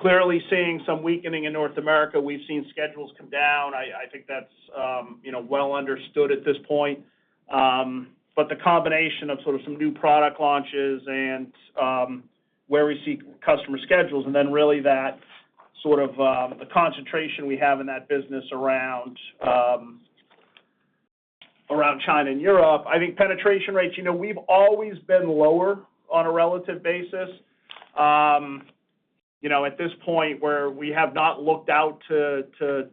clearly seeing some weakening in North America. We've seen schedules come down. I think that's, you know, well understood at this point. But the combination of sort of some new product launches and, where we see customer schedules, and then really that sort of, the concentration we have in that business around, around China and Europe. I think penetration rates, you know, we've always been lower on a relative basis. You know, at this point, where we have not looked out to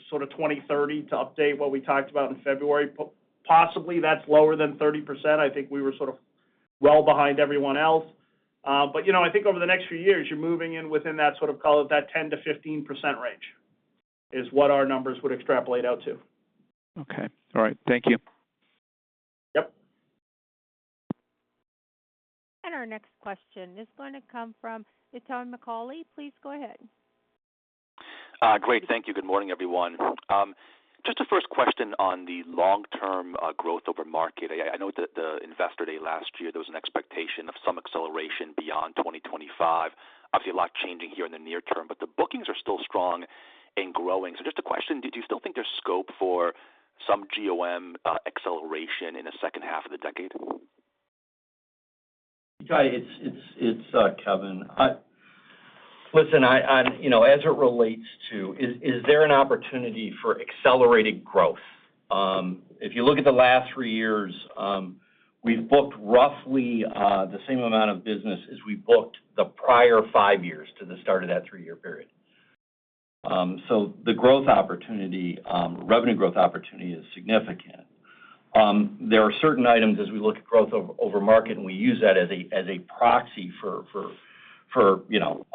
sort of 2030 to update what we talked about in February, possibly that's lower than 30%. I think we were sort of well behind everyone else. But, you know, I think over the next few years, you're moving in within that sort of call it, that 10%-15% range, is what our numbers would extrapolate out to. Okay. All right. Thank you. Yep. Our next question is going to come from Itay Michaeli. Please go ahead. Great. Thank you. Good morning, everyone. Just a first question on the long-term Growth Over Market. I know that the Investor Day last year, there was an expectation of some acceleration beyond 2025. Obviously, a lot changing here in the near term, but the bookings are still strong and growing. So just a question, did you still think there's scope for some GOM acceleration in the second half of the decade? Yeah, it's Kevin. Listen, you know, as it relates to, is there an opportunity for accelerated growth? If you look at the last three years, we've booked roughly the same amount of business as we booked the prior five years to the start of that three-year period. So the growth opportunity, revenue growth opportunity is significant. There are certain items as we look at growth over market, and we use that as a proxy for, you know,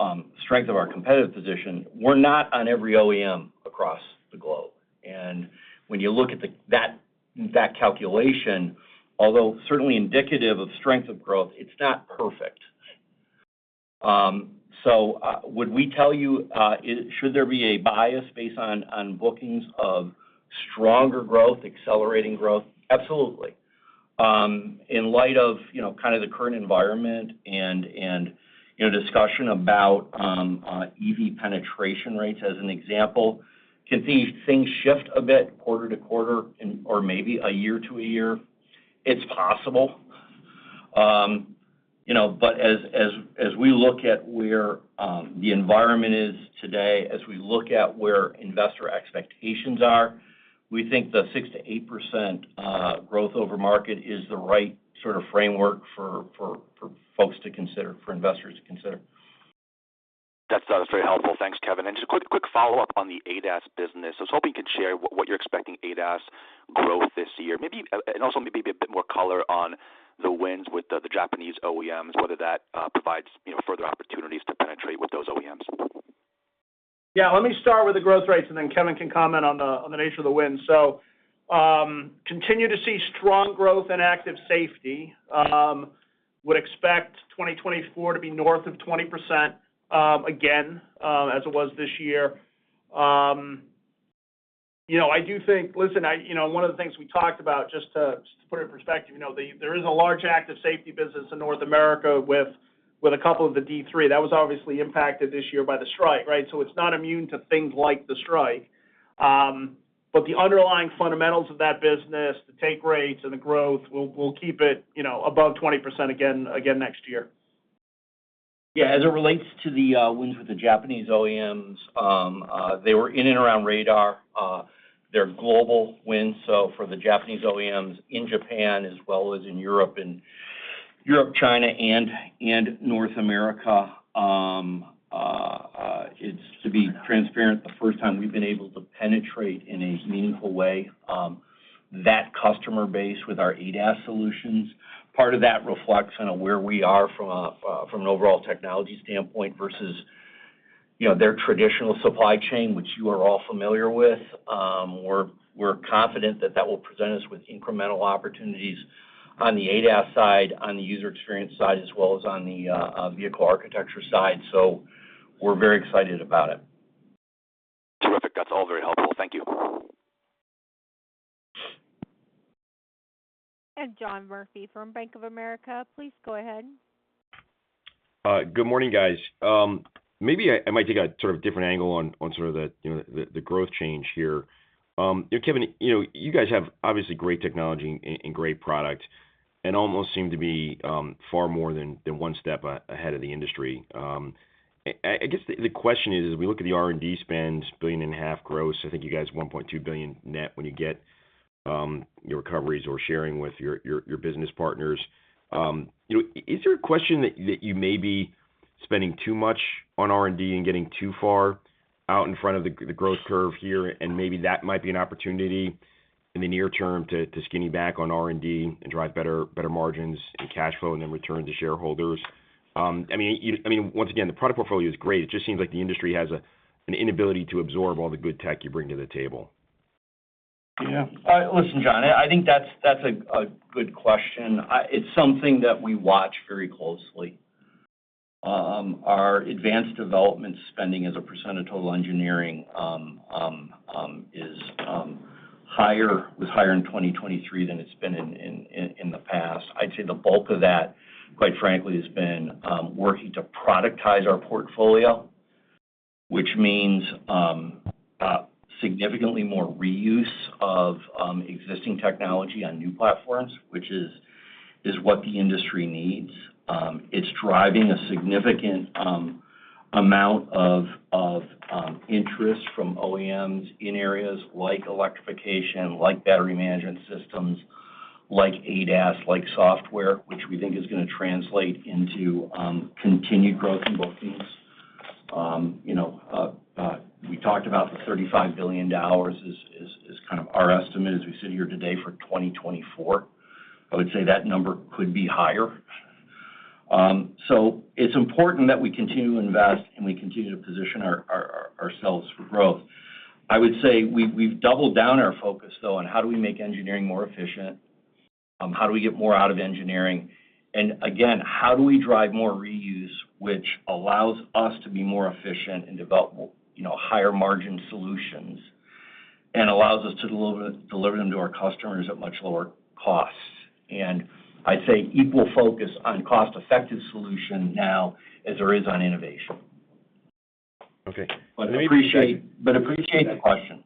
strength of our competitive position. We're not on every OEM across the globe. And when you look at that calculation, although certainly indicative of strength of growth, it's not perfect. So, would we tell you it... Should there be a bias based on bookings of stronger growth, accelerating growth? Absolutely. In light of, you know, kind of the current environment and discussion about EV penetration rates, as an example, can these things shift a bit quarter to quarter or maybe a year to a year? It's possible. You know, but as we look at where the environment is today, as we look at where investor expectations are- We think the 6%-8% growth over market is the right sort of framework for, for, for folks to consider, for investors to consider. That's very helpful. Thanks, Kevin. Just a quick, quick follow-up on the ADAS business. I was hoping you could share what, what you're expecting ADAS growth this year. Maybe, and also maybe a bit more color on the wins with the Japanese OEMs, whether that provides, you know, further opportunities to penetrate with those OEMs. Yeah, let me start with the growth rates, and then Kevin can comment on the nature of the wins. So, continue to see strong growth in Active Safety. Would expect 2024 to be north of 20%, again, as it was this year. You know, I do think—listen, I, you know, one of the things we talked about, just to put it in perspective, you know, there is a large Active Safety business in North America with a couple of the D3. That was obviously impacted this year by the strike, right? So it's not immune to things like the strike. But the underlying fundamentals of that business, the take rates and the growth, will keep it, you know, above 20% again next year. Yeah, as it relates to the wins with the Japanese OEMs, they were in and around radar, they're global wins. So for the Japanese OEMs in Japan, as well as in Europe, China, and North America, it's, to be transparent, the first time we've been able to penetrate in a meaningful way that customer base with our ADAS solutions. Part of that reflects on where we are from an overall technology standpoint versus, you know, their traditional supply chain, which you are all familiar with. We're confident that that will present us with incremental opportunities on the ADAS side, on the User Experience side, as well as on the Smart Vehicle Architecture side. So we're very excited about it. Terrific. That's all very helpful. Thank you. John Murphy from Bank of America, please go ahead. Good morning, guys. Maybe I might take a sort of different angle on sort of the, you know, the growth change here. Kevin, you know, you guys have obviously great technology and great product, and almost seem to be far more than one step ahead of the industry. I guess the question is, as we look at the R&D spends, $1.5 billion gross, I think you guys $1.2 billion net when you get your recoveries or sharing with your business partners, you know, is there a question that you may be spending too much on R&D and getting too far out in front of the growth curve here, and maybe that might be an opportunity in the near term to scale back on R&D and drive better margins and cash flow, and then return to shareholders? I mean, once again, the product portfolio is great. It just seems like the industry has an inability to absorb all the good tech you bring to the table. Yeah. Listen, John, I think that's a good question. It's something that we watch very closely. Our advanced development spending as a % of total engineering is higher—was higher in 2023 than it's been in the past. I'd say the bulk of that, quite frankly, has been working to productize our portfolio, which means significantly more reuse of existing technology on new platforms, which is what the industry needs. It's driving a significant amount of interest from OEMs in areas like electrification, like battery management systems, like ADAS, like software, which we think is gonna translate into continued growth in bookings. You know, we talked about the $35 billion is kind of our estimate as we sit here today for 2024. I would say that number could be higher. So it's important that we continue to invest, and we continue to position ourselves for growth. I would say we've doubled down our focus, though, on how do we make engineering more efficient? How do we get more out of engineering? And again, how do we drive more reuse, which allows us to be more efficient and develop more, you know, higher margin solutions, and allows us to deliver them to our customers at much lower costs? And I'd say equal focus on cost-effective solution now, as there is on innovation. Okay. I appreciate the question.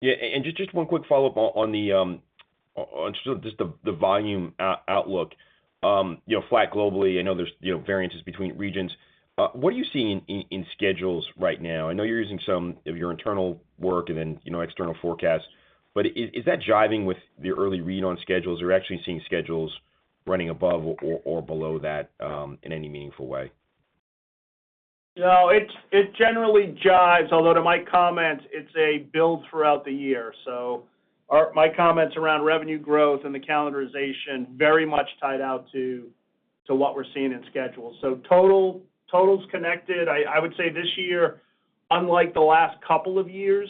Yeah, and just one quick follow-up on the volume outlook. You know, flat globally, I know there's variances between regions. What are you seeing in schedules right now? I know you're using some of your internal work and then external forecasts, but is that jiving with the early read on schedules, or are you actually seeing schedules running above or below that in any meaningful way? No, it generally jives, although to my comment, it's a build throughout the year. So our, my comments around revenue growth and the calendarization very much tied out to what we're seeing in schedules. So totals connected, I would say this year, unlike the last couple of years,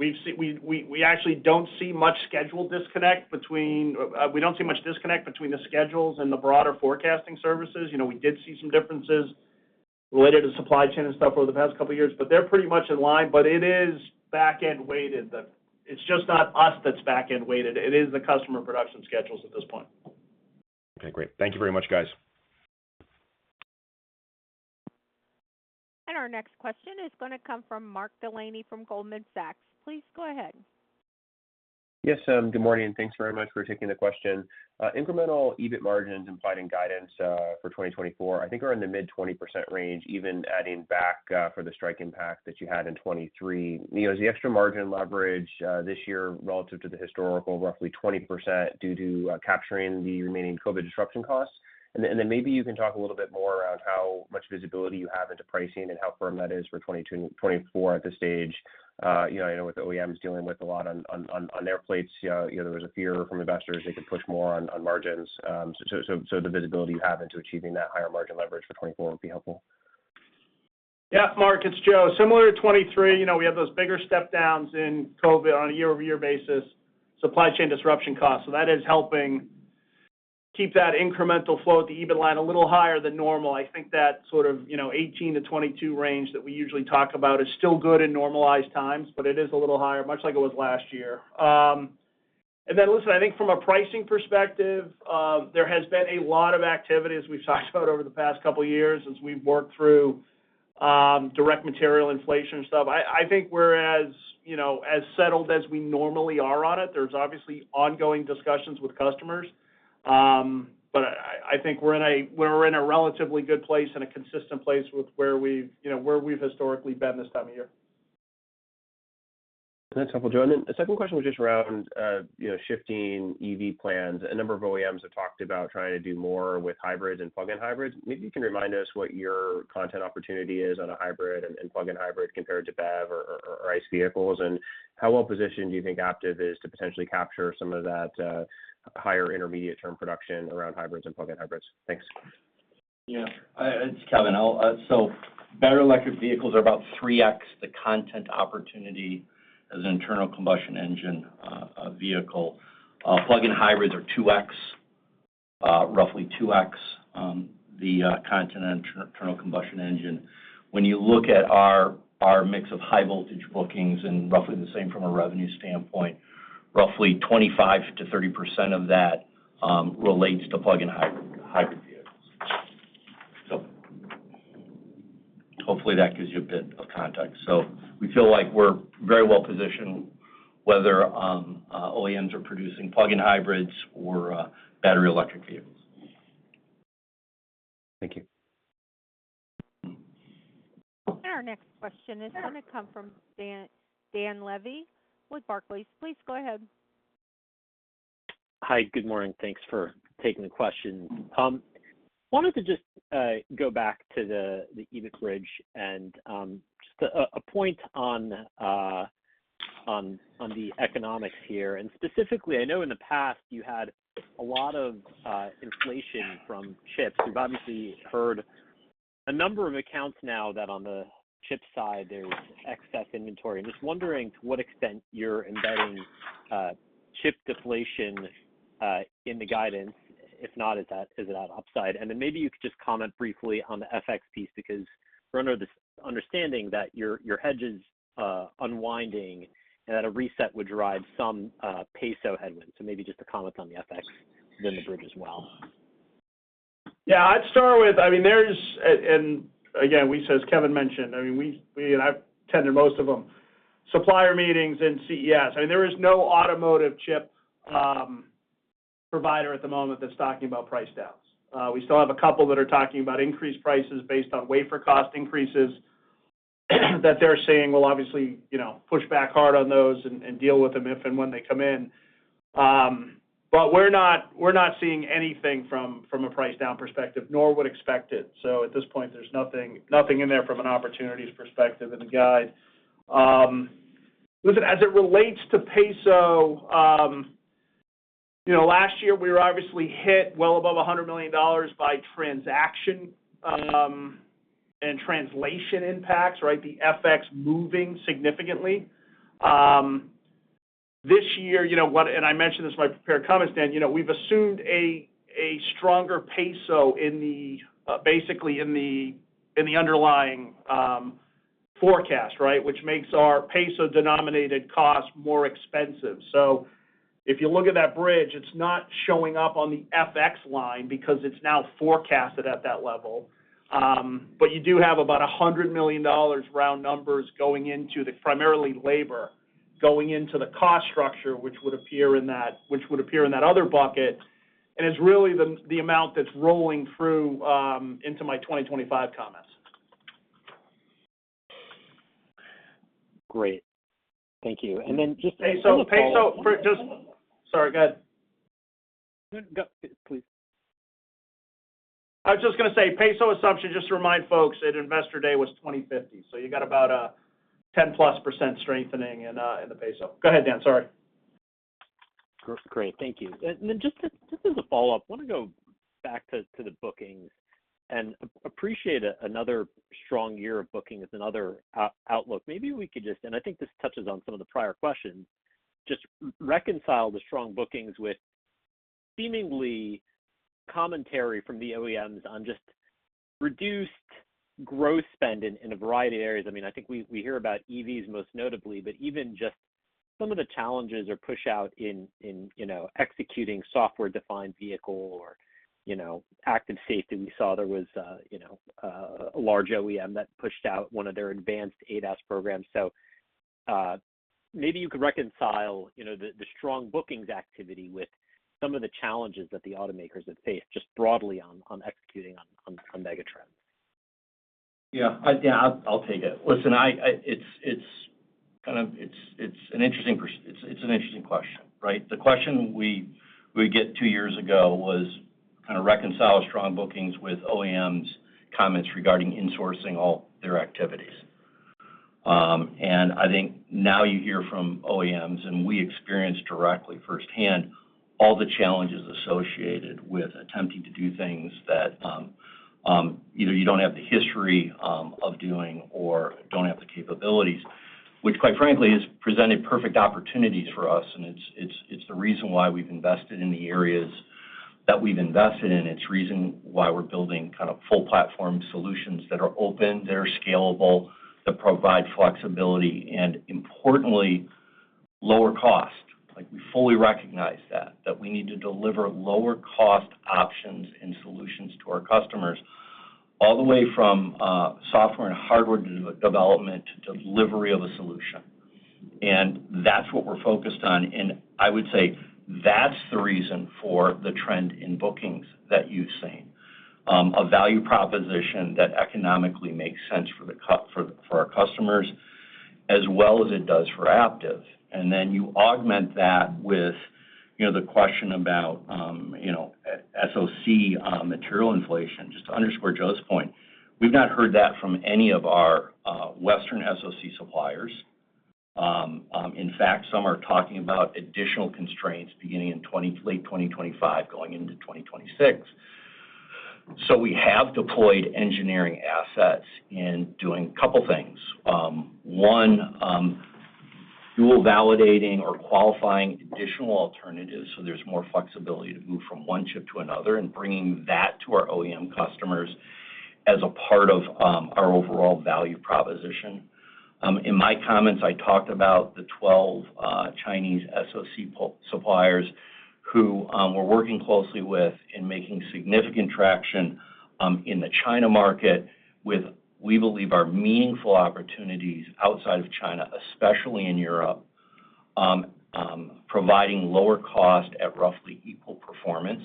we actually don't see much schedule disconnect between. We don't see much disconnect between the schedules and the broader forecasting services. You know, we did see some differences related to supply chain and stuff over the past couple of years, but they're pretty much in line. But it is back-end weighted. It's just not us that's back-end weighted. It is the customer production schedules at this point. Okay, great. Thank you very much, guys. Our next question is gonna come from Mark Delaney from Goldman Sachs. Please go ahead. Yes, good morning, and thanks very much for taking the question. Incremental EBIT margins, implied in guidance, for 2024, I think are in the mid-20% range, even adding back, for the strike impact that you had in 2023. You know, is the extra margin leverage, this year relative to the historical, roughly 20%, due to, capturing the remaining COVID disruption costs? And then, maybe you can talk a little bit more around how much visibility you have into pricing and how firm that is for 2024 at this stage. You know, I know with OEMs dealing with a lot on their plates, you know, there was a fear from investors they could push more on, on margins. So the visibility you have into achieving that higher margin leverage for 2024 would be helpful. Yeah, Mark, it's Joe. Similar to 2023, you know, we have those bigger step downs in COVID on a year-over-year basis, supply chain disruption costs. So that is helping keep that incremental flow at the EBIT line a little higher than normal. I think that sort of, you know, 18%-22% range that we usually talk about is still good in normalized times, but it is a little higher, much like it was last year. And then listen, I think from a pricing perspective, there has been a lot of activity, as we've talked about over the past couple of years, as we've worked through direct material inflation and stuff. I think we're as, you know, as settled as we normally are on it. There's obviously ongoing discussions with customers. But I think we're in a relatively good place and a consistent place with where we've, you know, historically been this time of year. That's helpful, Joe. And then the second question was just around, you know, shifting EV plans. A number of OEMs have talked about trying to do more with hybrids and plug-in hybrids. Maybe you can remind us what your content opportunity is on a hybrid and, and plug-in hybrid compared to BEV or, or, or ICE vehicles, and how well positioned do you think Aptiv is to potentially capture some of that, higher intermediate-term production around hybrids and plug-in hybrids? Thanks. Yeah. It's Kevin. I'll, so battery electric vehicles are about 3x the content opportunity as an internal combustion engine vehicle. Plug-in hybrids are 2x, roughly 2x, the content internal combustion engine. When you look at our mix of high voltage bookings and roughly the same from a revenue standpoint, roughly 25%-30% of that relates to plug-in hybrid vehicles. So hopefully, that gives you a bit of context. So we feel like we're very well positioned, whether OEMs are producing plug-in hybrids or battery electric vehicles. Thank you. Our next question is going to come from Dan, Dan Levy with Barclays. Please go ahead. Hi, good morning. Thanks for taking the question. Wanted to just go back to the, the EBIT bridge and, just a point on, on the economics here. And specifically, I know in the past you had a lot of, inflation from chips. We've obviously heard a number of accounts now that on the chip side, there's excess inventory. I'm just wondering to what extent you're embedding, chip deflation, in the guidance. If not, is that, is it on upside? And then maybe you could just comment briefly on the FX piece, because we're under the understanding that your, your hedge is, unwinding and that a reset would drive some, peso headwind. So maybe just a comment on the FX within the bridge as well. Yeah, I'd start with—I mean, there's—and again, we, as Kevin mentioned, I mean, we and I've attended most of them, supplier meetings and CES. I mean, there is no automotive chip provider at the moment that's talking about price downs. We still have a couple that are talking about increased prices based on wafer cost increases, that they're saying we'll obviously, you know, push back hard on those and deal with them if and when they come in. But we're not seeing anything from a price down perspective nor would expect it. So at this point, there's nothing in there from an opportunities perspective in the guide. Listen, as it relates to peso, you know, last year, we were obviously hit well above $100 million by transaction and translation impacts, right? The FX moving significantly. This year, you know what? And I mentioned this in my prepared comments, Dan, you know, we've assumed a stronger peso in the, basically in the underlying forecast, right? Which makes our peso denominated cost more expensive. So if you look at that bridge, it's not showing up on the FX line because it's now forecasted at that level. But you do have about $100 million, round numbers, going into the, primarily labor, going into the cost structure, which would appear in that which would appear in that other bucket, and is really the, the amount that's rolling through into my 2025 comments. Great. Thank you. And then just- Peso, peso, for just-- Sorry, go ahead. Go, please. I was just gonna say, peso assumption, just to remind folks, at Investor Day was 20.50. So you got about a 10%+ strengthening in the peso. Go ahead, Dan. Sorry. Great. Thank you. And then, just as a follow-up, I wanna go back to the bookings and appreciate another strong year of bookings and another outlook. Maybe we could just, and I think this touches on some of the prior questions, just reconcile the strong bookings with seemingly commentary from the OEMs on just reduced growth spend in a variety of areas. I mean, I think we hear about EVs most notably, but even just some of the challenges or push out in, you know, executing software-defined vehicle, you know, Active Safety. We saw there was a large OEM that pushed out one of their advanced ADAS programs. So, maybe you could reconcile, you know, the strong bookings activity with some of the challenges that the automakers have faced, just broadly on megatrends? Yeah, yeah, I'll take it. Listen, it's kind of, it's an interesting question, right? The question we'd get two years ago was kind of reconcile strong bookings with OEMs comments regarding insourcing all their activities. And I think now you hear from OEMs, and we experienced directly firsthand all the challenges associated with attempting to do things that either you don't have the history of doing or don't have the capabilities. Which, quite frankly, has presented perfect opportunities for us, and it's the reason why we've invested in the areas that we've invested in. It's the reason why we're building kind of full platform solutions that are open, that are scalable, that provide flexibility, and importantly, lower cost. Like, we fully recognize that, that we need to deliver lower cost options and solutions to our customers, all the way from, software and hardware development to delivery of a solution. And that's what we're focused on, and I would say that's the reason for the trend in bookings that you've seen. A value proposition that economically makes sense for the for our customers, as well as it does for Aptiv. And then you augment that with, you know, the question about, you know, SoC, material inflation. Just to underscore Joe's point, we've not heard that from any of our, Western SoC suppliers. In fact, some are talking about additional constraints beginning in late 2025, going into 2026. So we have deployed engineering assets in doing a couple things. One, dual validating or qualifying additional alternatives, so there's more flexibility to move from one chip to another, and bringing that to our OEM customers as a part of our overall value proposition. In my comments, I talked about the 12 Chinese SoC local suppliers who we're working closely with in making significant traction in the China market, with, we believe, are meaningful opportunities outside of China, especially in Europe, providing lower cost at roughly equal performance.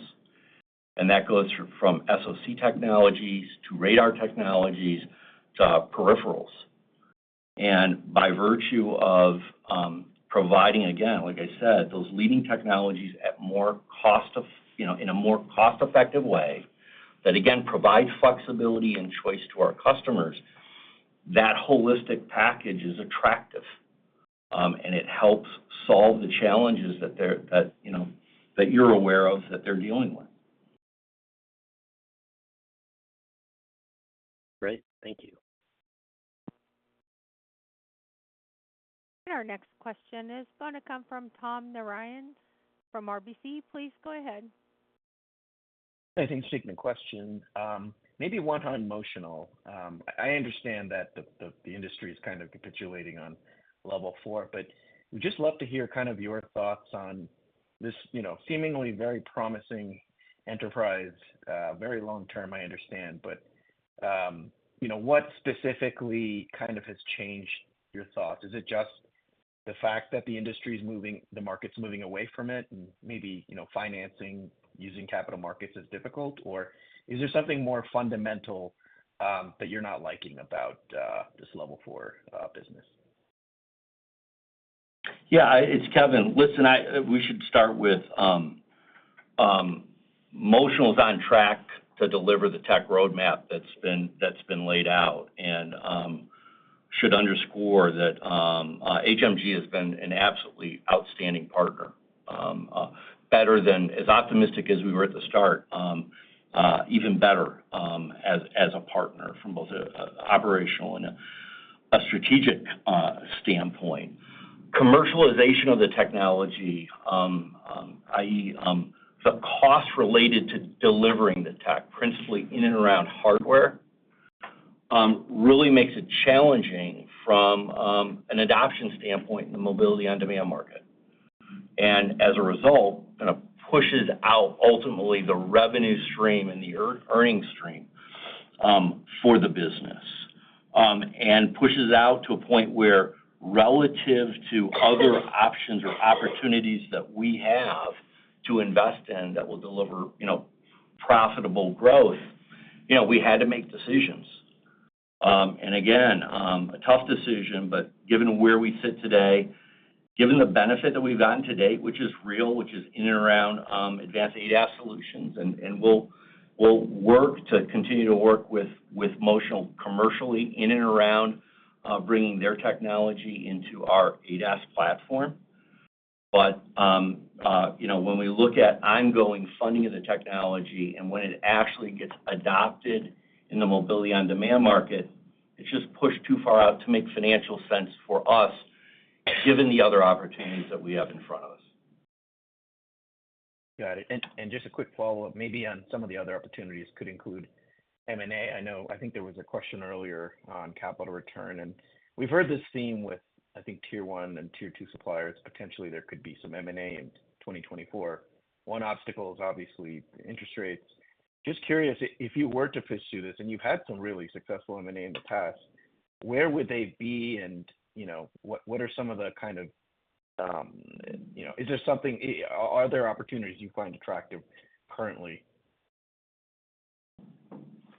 And that goes from SoC technologies, to radar technologies, to peripherals. By virtue of providing, again, like I said, those leading technologies at more cost-effective, you know, in a more cost-effective way, that again provide flexibility and choice to our customers, that holistic package is attractive, and it helps solve the challenges that they're, you know, that you're aware of, that they're dealing with. Great. Thank you. Our next question is going to come from Tom Narayan from RBC. Please go ahead. Thanks for taking the question. Maybe one on Motional. I understand that the industry is kind of capitulating on Level 4, but we'd just love to hear kind of your thoughts on this, you know, seemingly very promising enterprise, very long term, I understand. But, you know, what specifically kind of has changed your thoughts? Is it just the fact that the industry is moving, the market's moving away from it, and maybe, you know, financing using capital markets is difficult? Or is there something more fundamental, that you're not liking about, this Level 4, business? Yeah, it's Kevin. Listen, we should start with, Motional is on track to deliver the tech roadmap that's been laid out, and should underscore that, HMG has been an absolutely outstanding partner. Better than... As optimistic as we were at the start, even better, as a partner from both a operational and a strategic standpoint. Commercialization of the technology, i.e., the cost related to delivering the tech, principally in and around hardware, really makes it challenging from an adoption standpoint in the mobility on-demand market. And as a result, kind of pushes out ultimately the revenue stream and the earnings stream for the business. And pushes out to a point where relative to other options or opportunities that we have to invest in that will deliver, you know, profitable growth, you know, we had to make decisions. Again, a tough decision, but given where we sit today, given the benefit that we've gotten to date, which is real, which is in and around advanced ADAS solutions, and we'll work to continue to work with Motional commercially in and around bringing their technology into our ADAS platform. But you know, when we look at ongoing funding of the technology and when it actually gets adopted in the mobility on-demand market, it's just pushed too far out to make financial sense for us, given the other opportunities that we have in front of us. Got it. And just a quick follow-up, maybe on some of the other opportunities could include- M&A, I know, I think there was a question earlier on capital return, and we've heard this theme with, I think, tier one and tier two suppliers. Potentially, there could be some M&A in 2024. One obstacle is obviously interest rates. Just curious, if you were to pursue this, and you've had some really successful M&A in the past, where would they be? And, you know, what are some of the kind of, you know, is there something? Are there opportunities you find attractive currently?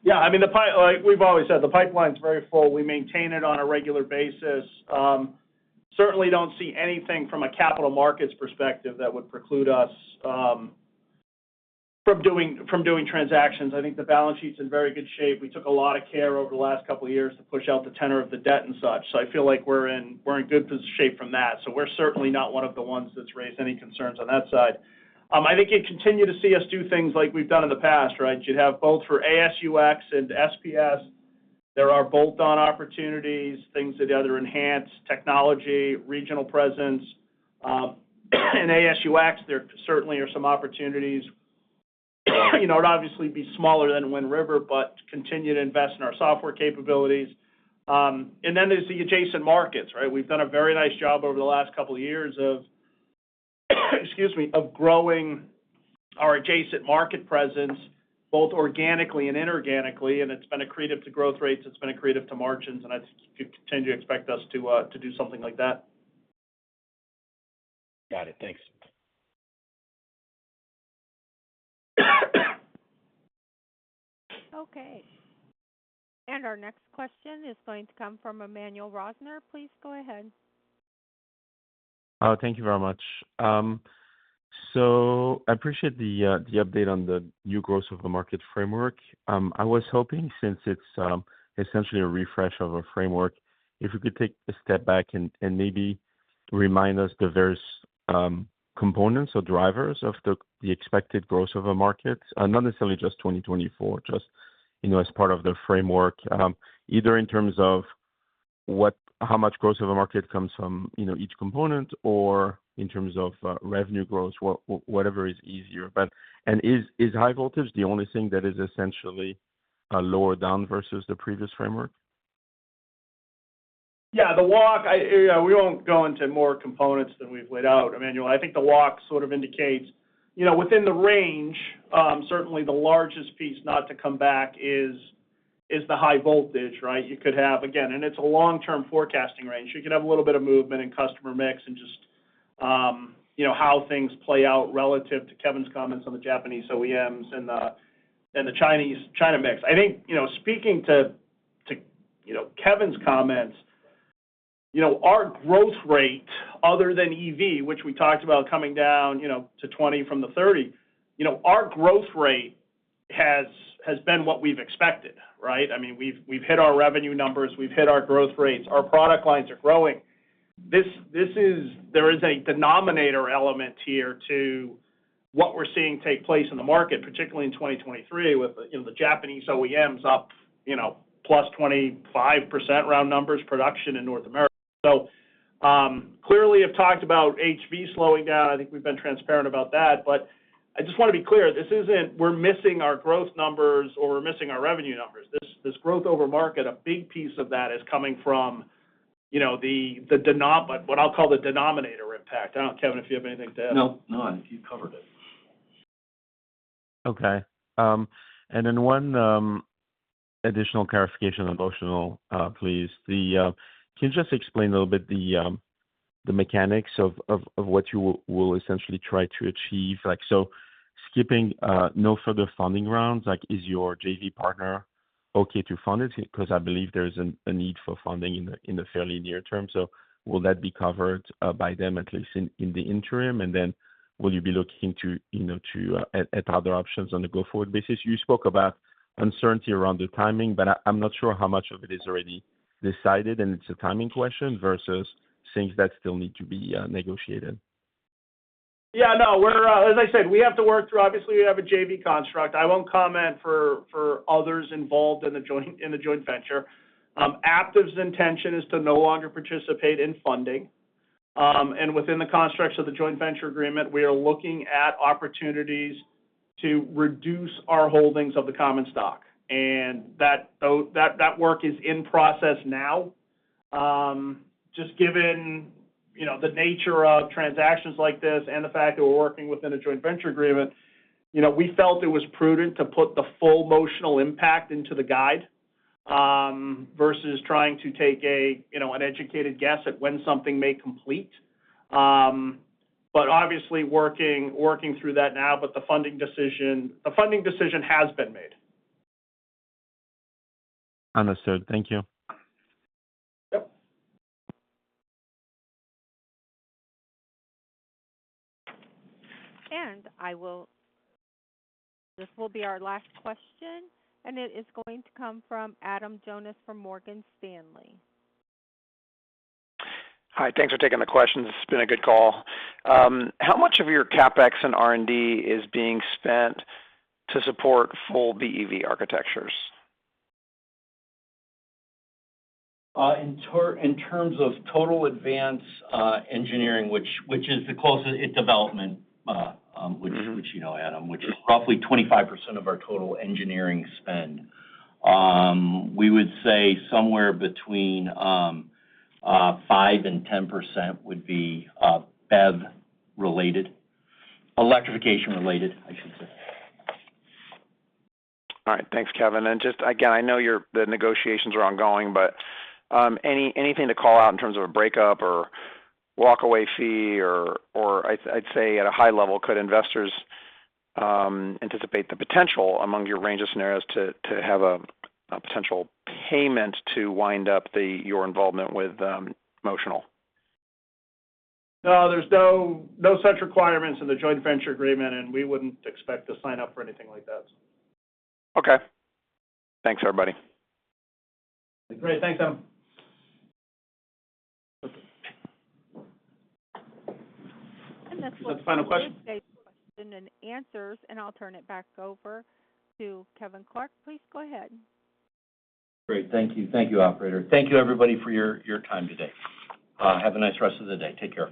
Yeah, I mean, like we've always said, the pipeline's very full. We maintain it on a regular basis. Certainly don't see anything from a capital markets perspective that would preclude us from doing transactions. I think the balance sheet's in very good shape. We took a lot of care over the last couple of years to push out the tenor of the debt and such. So I feel like we're in, we're in good shape from that. So we're certainly not one of the ones that's raised any concerns on that side. I think you continue to see us do things like we've done in the past, right? You'd have both for AS&UX and SPS. There are bolt-on opportunities, things that either enhance technology, regional presence. In AS&UX, there certainly are some opportunities. You know, it'd obviously be smaller than Wind River, but continue to invest in our software capabilities. And then there's the adjacent markets, right? We've done a very nice job over the last couple of years of, excuse me, of growing our adjacent market presence, both organically and inorganically, and it's been accretive to growth rates, it's been accretive to margins, and I think you'd continue to expect us to, to do something like that. Got it. Thanks. Okay. Our next question is going to come from Emmanuel Rosner. Please go ahead. Thank you very much. So I appreciate the, the update on the new Growth Over Market framework. I was hoping, since it's, essentially a refresh of a framework, if you could take a step back and, and maybe remind us the various, components or drivers of the, the expected Growth Over Market, and not necessarily just 2024, just, you know, as part of the framework. Either in terms of what... How much Growth Over Market comes from, you know, each component or in terms of, revenue growth, what- whatever is easier. But, and is, is high voltage the only thing that is essentially, lower down versus the previous framework? Yeah, the walk, yeah, we won't go into more components than we've laid out, Emmanuel. I think the walk sort of indicates, you know, within the range, certainly the largest piece not to come back is the high voltage, right? You could have... Again, and it's a long-term forecasting range. You could have a little bit of movement in customer mix and just, you know, how things play out relative to Kevin's comments on the Japanese OEMs and the, and the Chinese, China mix. I think, you know, speaking to Kevin's comments, you know, our growth rate, other than EV, which we talked about coming down, you know, to 20% from the 30%, you know, our growth rate has been what we've expected, right? I mean, we've hit our revenue numbers, we've hit our growth rates, our product lines are growing. This, this is. There is a denominator element here to what we're seeing take place in the market, particularly in 2023, with the, you know, the Japanese OEMs up, you know, +25% round numbers, production in North America. So, clearly, I've talked about HV slowing down. I think we've been transparent about that, but I just want to be clear: this isn't we're missing our growth numbers or we're missing our revenue numbers. This, this growth over market, a big piece of that is coming from, you know, the, the denoma- what I'll call the denominator impact. I don't know, Kevin, if you have anything to add. No, no, I think you covered it. Okay. And then one additional clarification on Motional, please. Can you just explain a little bit the mechanics of what you will essentially try to achieve? Like, so skipping no further funding rounds, like, is your JV partner okay to fund it? Because I believe there is a need for funding in the fairly near term, so will that be covered by them, at least in the interim? And then will you be looking to, you know, to at other options on a go-forward basis? You spoke about uncertainty around the timing, but I'm not sure how much of it is already decided and it's a timing question versus things that still need to be negotiated. Yeah, no, we're as I said, we have to work through. Obviously, we have a JV construct. I won't comment for others involved in the joint venture. Aptiv's intention is to no longer participate in funding. And within the constructs of the joint venture agreement, we are looking at opportunities to reduce our holdings of the common stock, and that work is in process now. Just given, you know, the nature of transactions like this and the fact that we're working within a joint venture agreement, you know, we felt it was prudent to put the full Motional impact into the guide versus trying to take a, you know, an educated guess at when something may complete. But obviously working through that now, but the funding decision has been made. Understood. Thank you. Yep. I will... This will be our last question, and it is going to come from Adam Jonas from Morgan Stanley. Hi, thanks for taking the questions. It's been a good call. How much of your CapEx and R&D is being spent to support full BEV architectures? In terms of total advanced engineering, which is the closest, and development, which you know, Adam, is roughly 25% of our total engineering spend, we would say somewhere between 5% and 10% would be BEV related, electrification related, I should say. All right. Thanks, Kevin. And just again, I know that the negotiations are ongoing, but anything to call out in terms of a breakup or walk away fee or, or I'd say at a high level, could investors anticipate the potential among your range of scenarios to have a potential payment to wind up your involvement with Motional? No, there's no such requirements in the joint venture agreement, and we wouldn't expect to sign up for anything like that. Okay. Thanks, everybody. Great. Thanks, Adam. That's all. That's the final question? Question and answers, and I'll turn it back over to Kevin Clark. Please go ahead. Great. Thank you. Thank you, operator. Thank you, everybody, for your time today. Have a nice rest of the day. Take care.